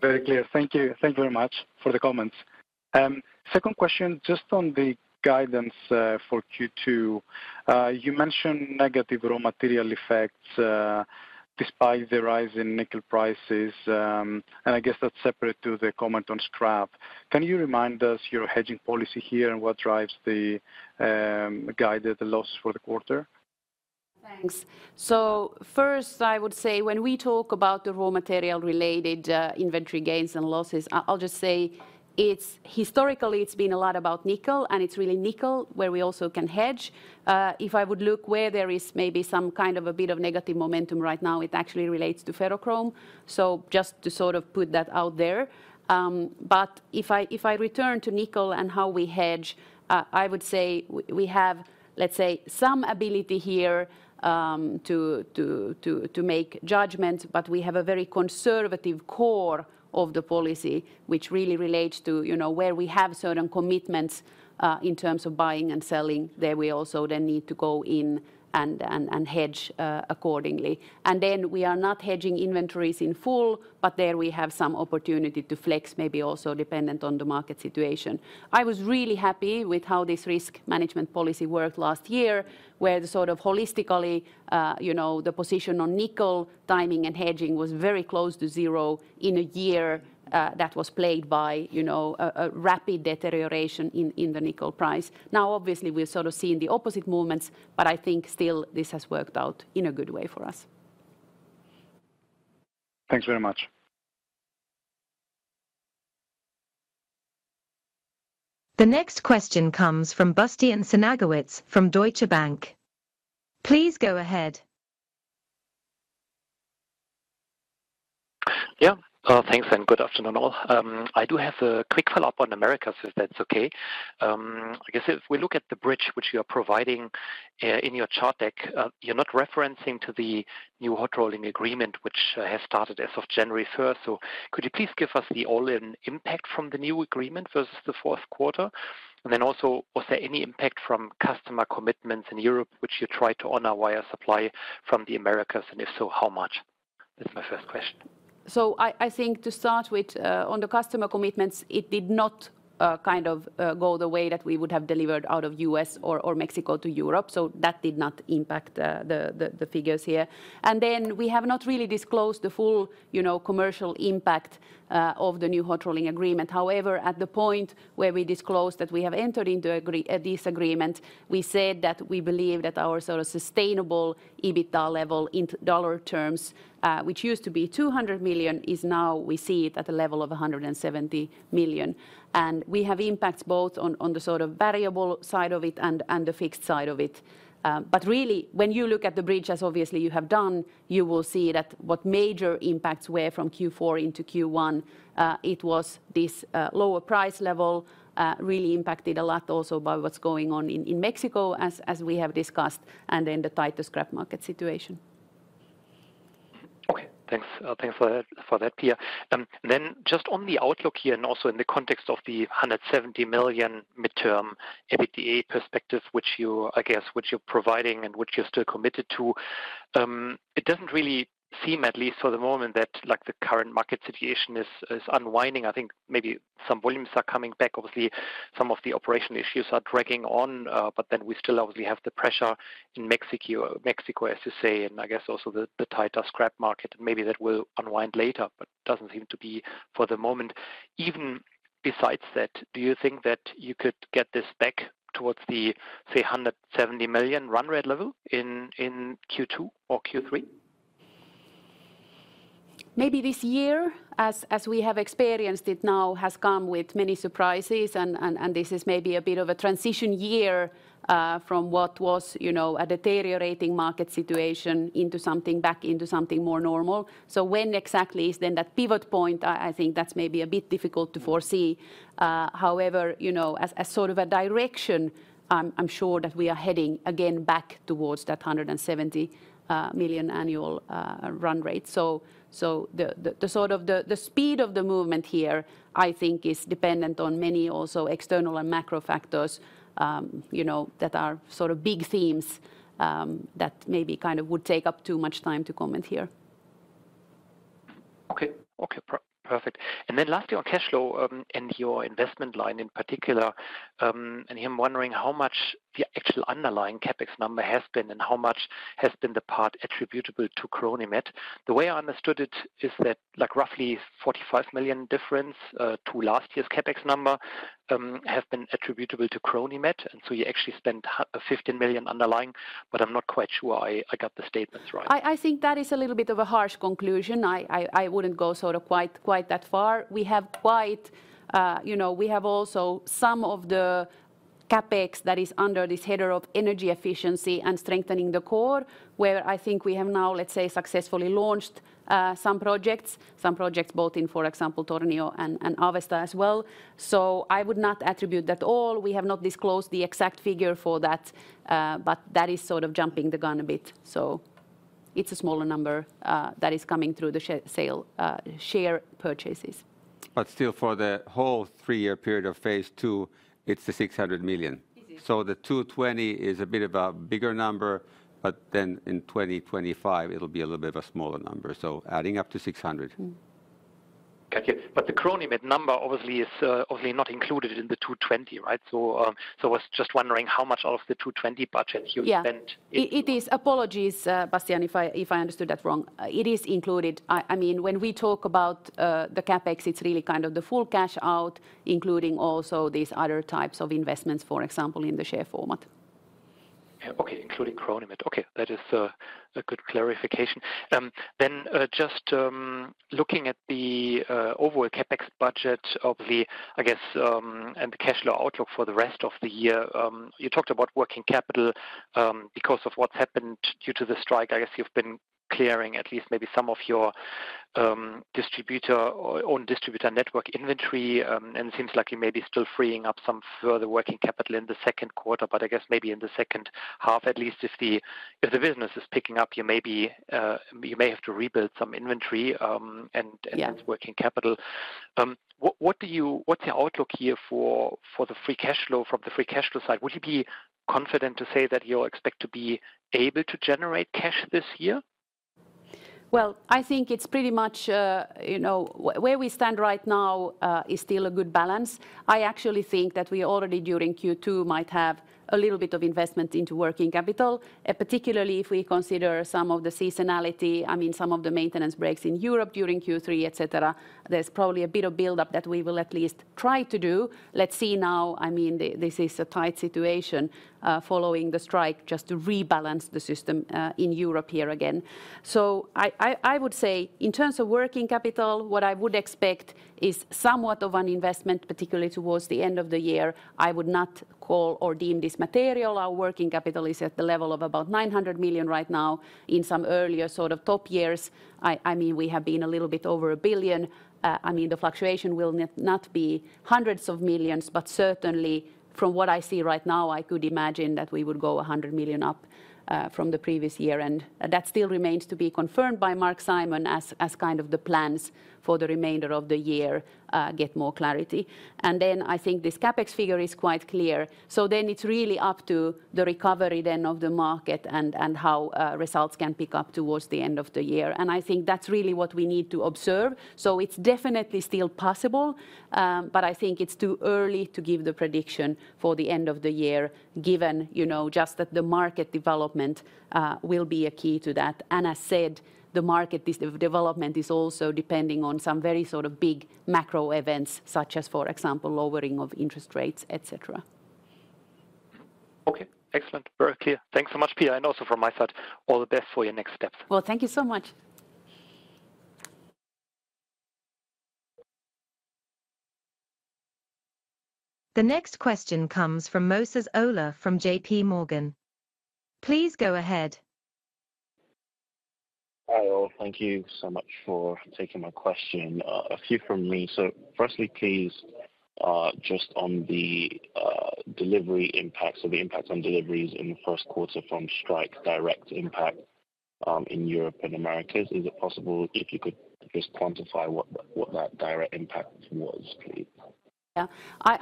G: Very clear. Thank you. Thank you very much for the comments. Second question, just on the guidance for Q2. You mentioned negative raw material effects despite the rise in nickel prices, and I guess that's separate to the comment on scrap. Can you remind us your hedging policy here and what drives the guided loss for the quarter?
C: Thanks. So first, I would say when we talk about the raw material-related inventory gains and losses, I'll just say it's historically been a lot about nickel, and it's really nickel where we also can hedge. If I would look where there is maybe some kind of a bit of negative momentum right now, it actually relates to ferrochrome, so just to sort of put that out there. But if I return to nickel and how we hedge, I would say we have, let's say, some ability here to make judgments, but we have a very conservative core of the policy, which really relates to, you know, where we have certain commitments in terms of buying and selling, there we also then need to go in and hedge accordingly. And then we are not hedging inventories in full, but there we have some opportunity to flex, maybe also dependent on the market situation. I was really happy with how this risk management policy worked last year, where the sort of holistically, you know, the position on nickel timing and hedging was very close to zero in a year, that was plagued by, you know, a rapid deterioration in the nickel price. Now, obviously, we're sort of seeing the opposite movements, but I think still this has worked out in a good way for us.
G: Thanks very much.
D: The next question comes from Bastian Synagowitz from Deutsche Bank. Please go ahead.
H: Yeah. Thanks, and good afternoon, all. I do have a quick follow-up on Americas, if that's okay. I guess if we look at the bridge which you are providing in your chart deck, you're not referencing to the new hot rolling agreement, which has started as of January 1st. So could you please give us the all-in impact from the new agreement versus the fourth quarter? And then also, was there any impact from customer commitments in Europe, which you tried to honor via supply from the Americas, and if so, how much? That's my first question.
C: So I think to start with, on the customer commitments, it did not kind of go the way that we would have delivered out of US or Mexico to Europe, so that did not impact the figures here. And then we have not really disclosed the full, you know, commercial impact of the new hot rolling agreement. However, at the point where we disclosed that we have entered into this agreement, we said that we believe that our sort of sustainable EBITDA level in dollar terms, which used to be $200 million, is now we see it at a level of $170 million. And we have impacts both on the sort of variable side of it and the fixed side of it. But really, when you look at the bridge, as obviously you have done, you will see that what major impacts were from Q4 into Q1. It was this lower price level, really impacted a lot also by what's going on in Mexico, as we have discussed, and then the tighter scrap market situation. ...
H: Thanks, thanks for that, for that, Pia. Then just on the outlook here, and also in the context of the 170 million midterm EBITDA perspective, which you, I guess, which you're providing and which you're still committed to, it doesn't really seem, at least for the moment, that, like, the current market situation is, is unwinding. I think maybe some volumes are coming back. Obviously, some of the operation issues are dragging on, but then we still obviously have the pressure in Mexico, Mexico, as you say, and I guess also the, the tighter scrap market. Maybe that will unwind later, but doesn't seem to be for the moment. Even besides that, do you think that you could get this back towards the, say, 170 million run rate level in, in Q2 or Q3?
C: Maybe this year, as we have experienced, it now has come with many surprises, and this is maybe a bit of a transition year from what was, you know, a deteriorating market situation into something... back into something more normal. So when exactly is then that pivot point, I think that's maybe a bit difficult to foresee. However, you know, as sort of a direction, I'm sure that we are heading again back towards that 170 million annual run rate. So the sort of speed of the movement here, I think, is dependent on many also external and macro factors, you know, that are sort of big themes that maybe kind of would take up too much time to comment here.
H: Okay. Okay, perfect. And then lastly, on cash flow, and your investment line in particular, and I'm wondering how much the actual underlying CapEx number has been, and how much has been the part attributable to Cronimet? The way I understood it is that, like, roughly 45 million difference to last year's CapEx number have been attributable to Cronimet, and so you actually spent 15 million underlying, but I'm not quite sure I got the statements right.
C: I think that is a little bit of a harsh conclusion. I wouldn't go sort of quite that far. We have quite, you know, we have also some of the CapEx that is under this header of energy efficiency and strengthening the core, where I think we have now, let's say, successfully launched some projects both in, for example, Tornio and Avesta as well. So I would not attribute that all. We have not disclosed the exact figure for that, but that is sort of jumping the gun a bit. So it's a smaller number that is coming through the share purchases.
B: But still, for the whole three-year period of Phase II, it's the 600 million.
C: It is.
B: So the 220 is a bit of a bigger number, but then in 2025, it'll be a little bit of a smaller number, so adding up to 600.
C: Mm-hmm.
H: Got you. But the Cronimet number obviously is, obviously not included in the 220, right? So, so I was just wondering how much out of the 220 budget you spent-
C: Yeah, it is. Apologies, Bastian, if I understood that wrong. It is included. I mean, when we talk about the CapEx, it's really kind of the full cash out, including also these other types of investments, for example, in the share format.
H: Yeah, okay, including Cronimet. Okay, that is a good clarification. Then, just looking at the overall CapEx budget of the, I guess, and the cash flow outlook for the rest of the year, you talked about working capital. Because of what's happened due to the strike, I guess you've been clearing at least maybe some of your distributor or own distributor network inventory, and seems like you may be still freeing up some further working capital in the Q2. But I guess maybe in the second half at least, if the business is picking up, you may be, you may have to rebuild some inventory, and-
C: Yeah...
H: and working capital. What’s the outlook here for the free cash flow from the free cash flow side? Would you be confident to say that you expect to be able to generate cash this year?
C: Well, I think it's pretty much, you know, where we stand right now is still a good balance. I actually think that we already, during Q2, might have a little bit of investment into working capital, particularly if we consider some of the seasonality, I mean, some of the maintenance breaks in Europe during Q3, et cetera. There's probably a bit of build-up that we will at least try to do. Let's see now, I mean, this is a tight situation, following the strike, just to rebalance the system, in Europe here again. So I would say in terms of working capital, what I would expect is somewhat of an investment, particularly towards the end of the year. I would not call or deem this material. Our working capital is at the level of about 900 million right now. In some earlier sort of top years, I mean, we have been a little bit over 1 billion. I mean, the fluctuation will not be hundreds of millions, but certainly from what I see right now, I could imagine that we would go 100 million up from the previous year. And that still remains to be confirmed by Marc-Simon, as kind of the plans for the remainder of the year get more clarity. And then I think this CapEx figure is quite clear. So then it's really up to the recovery then of the market and how results can pick up towards the end of the year, and I think that's really what we need to observe. So it's definitely still possible, but I think it's too early to give the prediction for the end of the year, given, you know, just that the market development will be a key to that. And as said, the market development is also depending on some very sort of big macro events, such as, for example, lowering of interest rates, et cetera.
H: Okay, excellent. Very clear. Thanks so much, Pia, and also from my side, all the best for your next steps.
C: Well, thank you so much.
D: The next question comes from Moses Ola from JP Morgan. Please go ahead.
I: Hi, all. Thank you so much for taking my question. A few from me. So firstly, please, just on the delivery impact, so the impact on deliveries in the Q1 from strike, direct impact, in Europe and Americas, is it possible if you could just quantify what, what that direct impact was, please?
C: Yeah.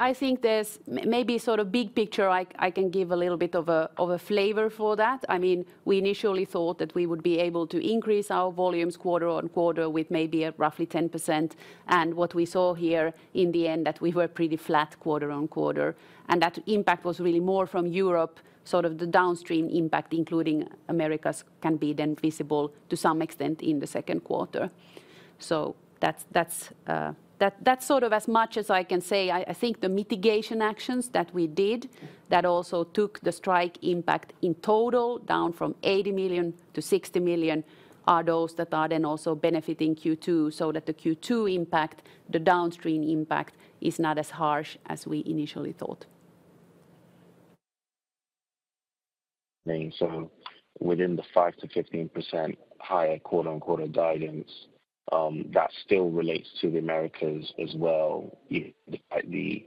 C: I think there's maybe sort of big picture, I can give a little bit of a flavor for that. I mean, we initially thought that we would be able to increase our volumes quarter on quarter with maybe a roughly 10%, and what we saw here in the end, that we were pretty flat quarter on quarter. That impact was really more from Europe, sort of the downstream impact, including Americas, can be then visible to some extent in the Q2. So that's sort of as much as I can say. I think the mitigation actions that we did, that also took the strike impact in total down from 80 million to 60 million, are those that are then also benefiting Q2, so that the Q2 impact, the downstream impact, is not as harsh as we initially thought.
I: Okay, so within the 5%-15% higher quarter-on-quarter guidance, that still relates to the Americas as well, yeah, despite the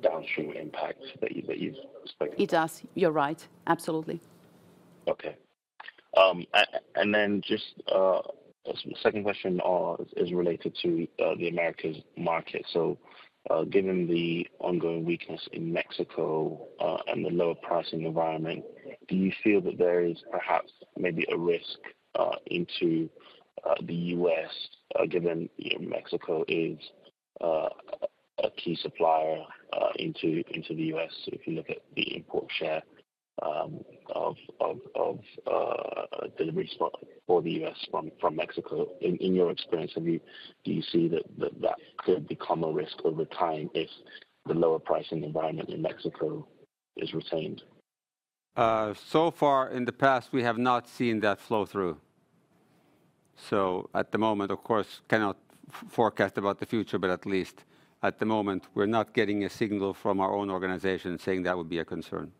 I: downstream impact that you, that you've expected?
C: It does. You're right. Absolutely.
I: Okay. And then just second question is related to the Americas market. So, given the ongoing weakness in Mexico and the lower pricing environment, do you feel that there is perhaps maybe a risk into the U.S., given Mexico is a key supplier into the U.S., if you look at the import share of delivery spot for the U.S. from Mexico? In your experience, do you see that could become a risk over time if the lower pricing environment in Mexico is retained?
B: So far in the past, we have not seen that flow through. So at the moment, of course, cannot forecast about the future, but at least at the moment, we're not getting a signal from our own organization saying that would be a concern.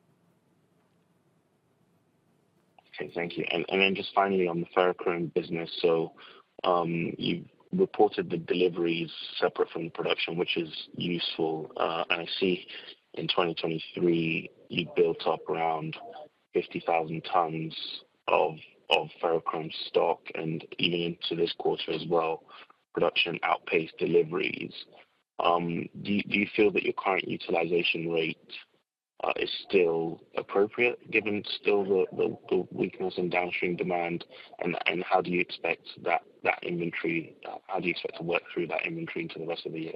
I: Okay, thank you. And then just finally on the ferrochrome business, so you reported the deliveries separate from the production, which is useful. And I see in 2023, you built up around 50,000 tons of ferrochrome stock, and even into this quarter as well, production outpaced deliveries. Do you feel that your current utilization rate is still appropriate, given still the weakness in downstream demand? And how do you expect to work through that inventory into the rest of the year?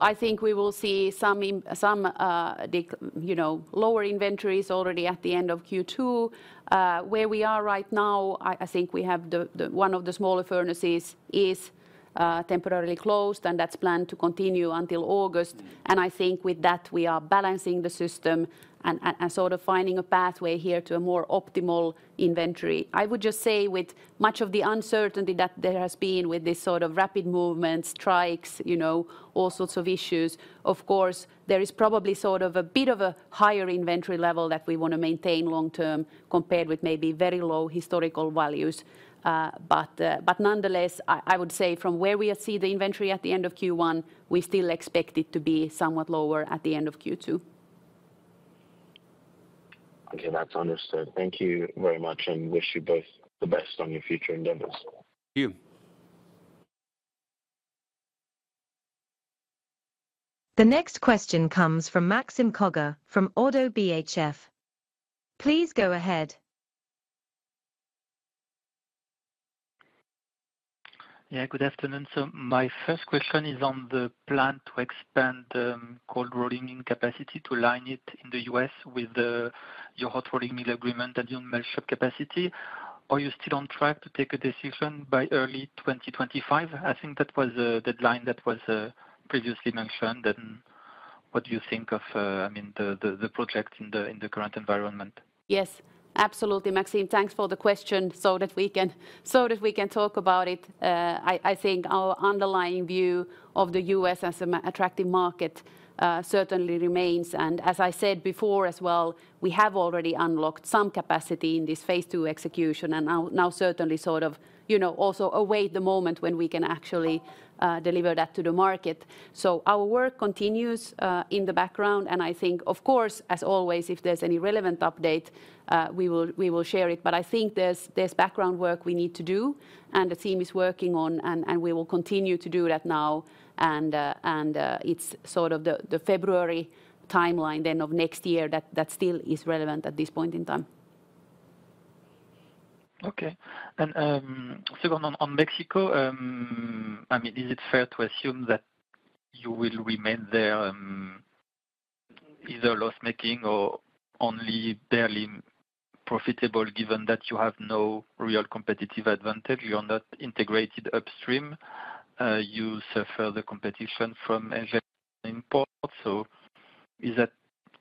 C: I think we will see some decline, you know, lower inventories already at the end of Q2. Where we are right now, I think one of the smaller furnaces is temporarily closed, and that's planned to continue until August. And I think with that, we are balancing the system and sort of finding a pathway here to a more optimal inventory. I would just say, with much of the uncertainty that there has been with this sort of rapid movement, strikes, you know, all sorts of issues, of course, there is probably sort of a bit of a higher inventory level that we want to maintain long term, compared with maybe very low historical values. But nonetheless, I would say from where we see the inventory at the end of Q1, we still expect it to be somewhat lower at the end of Q2.
I: Okay, that's understood. Thank you very much, and wish you both the best on your future endeavors.
B: Thank you.
D: The next question comes from Maxime Kogge from Oddo BHF. Please go ahead.
J: Yeah, good afternoon. So my first question is on the plan to expand cold rolling capacity to align it in the US with your hot rolling mill agreement and your melt shop capacity. Are you still on track to take a decision by early 2025? I think that was the deadline that was previously mentioned. And what do you think of, I mean, the project in the current environment?
C: Yes, absolutely, Maxime. Thanks for the question so that we can talk about it. I think our underlying view of the U.S. as an attractive market certainly remains, and as I said before as well, we have already unlocked some capacity in this Phase II execution, and now certainly sort of, you know, also await the moment when we can actually deliver that to the market. So our work continues in the background, and I think, of course, as always, if there's any relevant update, we will share it. But I think there's background work we need to do, and the team is working on it, and we will continue to do that now. It's sort of the February timeline then of next year that still is relevant at this point in time.
J: Okay. And, second, on Mexico, I mean, is it fair to assume that you will remain there, either loss-making or only barely profitable, given that you have no real competitive advantage, you are not integrated upstream, you suffer the competition from import? So is that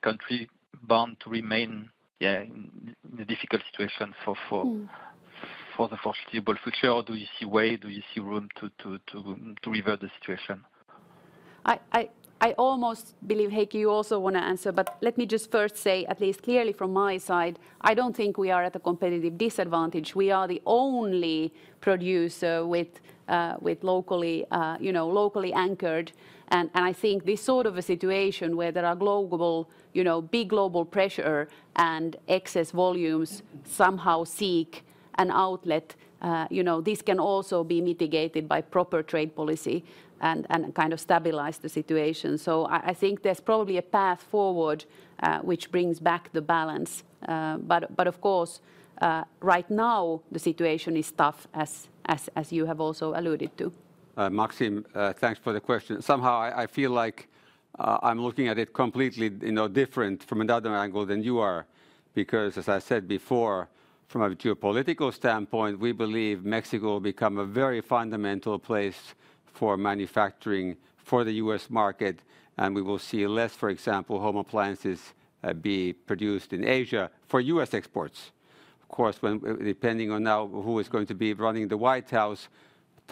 J: country bound to remain, yeah, in a difficult situation for the foreseeable future, or do you see way, do you see room to revert the situation?...
C: I almost believe, Heikki, you also want to answer, but let me just first say, at least clearly from my side, I don't think we are at a competitive disadvantage. We are the only producer with locally, you know, locally anchored. And I think this sort of a situation where there are global, you know, big global pressure and excess volumes somehow seek an outlet, you know, this can also be mitigated by proper trade policy and kind of stabilize the situation. So I think there's probably a path forward, which brings back the balance. But of course, right now the situation is tough as you have also alluded to.
B: Maxime, thanks for the question. Somehow, I feel like I'm looking at it completely, you know, different from another angle than you are. Because as I said before, from a geopolitical standpoint, we believe Mexico will become a very fundamental place for manufacturing for the U.S. market, and we will see less, for example, home appliances be produced in Asia for U.S. exports. Of course, depending on now who is going to be running the White House,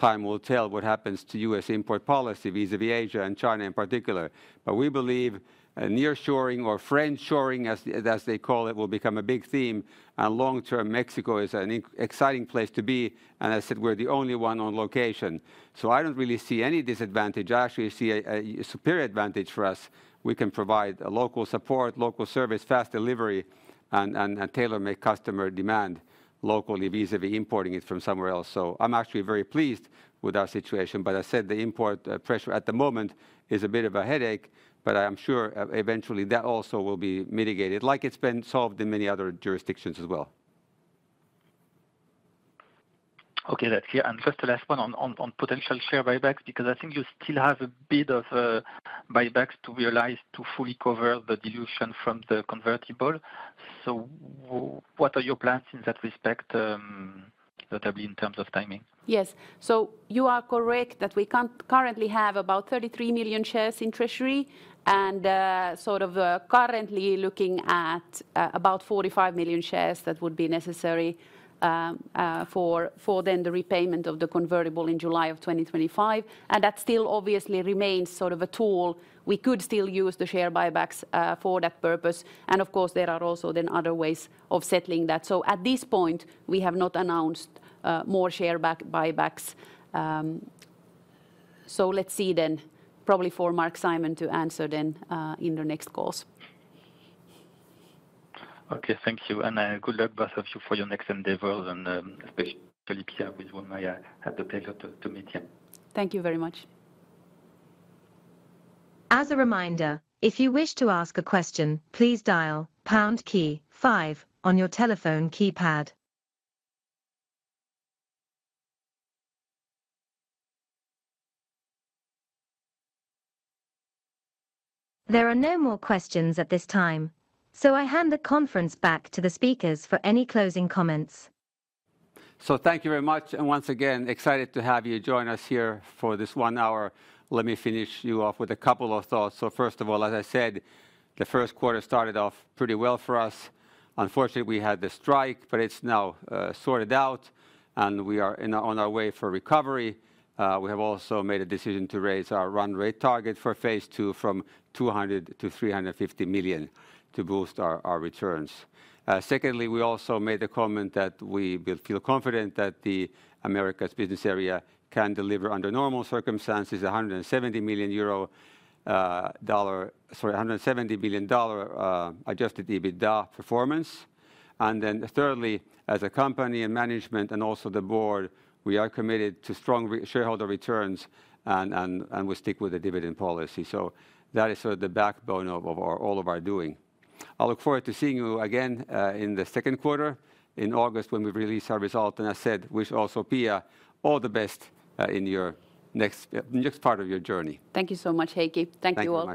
B: time will tell what happens to U.S. import policy vis-a-vis Asia and China in particular. But we believe a nearshoring or friendshoring, as they call it, will become a big theme, and long-term, Mexico is an exciting place to be, and as I said, we're the only one on location. So I don't really see any disadvantage. I actually see a superior advantage for us. We can provide a local support, local service, fast delivery, and tailor-make customer demand locally vis-a-vis importing it from somewhere else. So I'm actually very pleased with our situation, but I said the import pressure at the moment is a bit of a headache, but I'm sure eventually that also will be mitigated, like it's been solved in many other jurisdictions as well.
J: Okay, that's clear. And just the last one on potential share buybacks, because I think you still have a bit of buybacks to realize to fully cover the dilution from the convertible. So what are your plans in that respect, notably in terms of timing?
C: Yes. So you are correct that we currently have about 33 million shares in treasury, and, sort of, currently looking at, about 45 million shares that would be necessary, for then the repayment of the convertible in July of 2025. And that still obviously remains sort of a tool. We could still use the share buybacks, for that purpose, and of course, there are also then other ways of settling that. So at this point, we have not announced, more share buybacks. so let's see then, probably for Marc-Simon to answer then, in the next calls.
J: Okay, thank you, and good luck, both of you, for your next endeavors and, especially Pia, with whom I had the pleasure to meet you.
C: Thank you very much.
D: As a reminder, if you wish to ask a question, please dial pound key five on your telephone keypad. There are no more questions at this time, so I hand the conference back to the speakers for any closing comments.
B: So thank you very much, and once again, excited to have you join us here for this one hour. Let me finish you off with a couple of thoughts. First of all, as I said, the Q1 started off pretty well for us. Unfortunately, we had the strike, but it's now sorted out, and we are on our way for recovery. We have also made a decision to raise our run rate target for phase II from 200 million to 350 million to boost our returns. Secondly, we also made a comment that we will feel confident that the Americas business area can deliver, under normal circumstances, 170 million euro, dollar... Sorry, $170 billion adjusted EBITDA performance. And then thirdly, as a company and management and also the board, we are committed to strong shareholder returns, and we stick with the dividend policy. So that is sort of the backbone of all of our doing. I look forward to seeing you again in the Q2, in August, when we release our result, and I wish also Pia all the best in your next part of your journey.
C: Thank you so much, Heikki. Thank you all.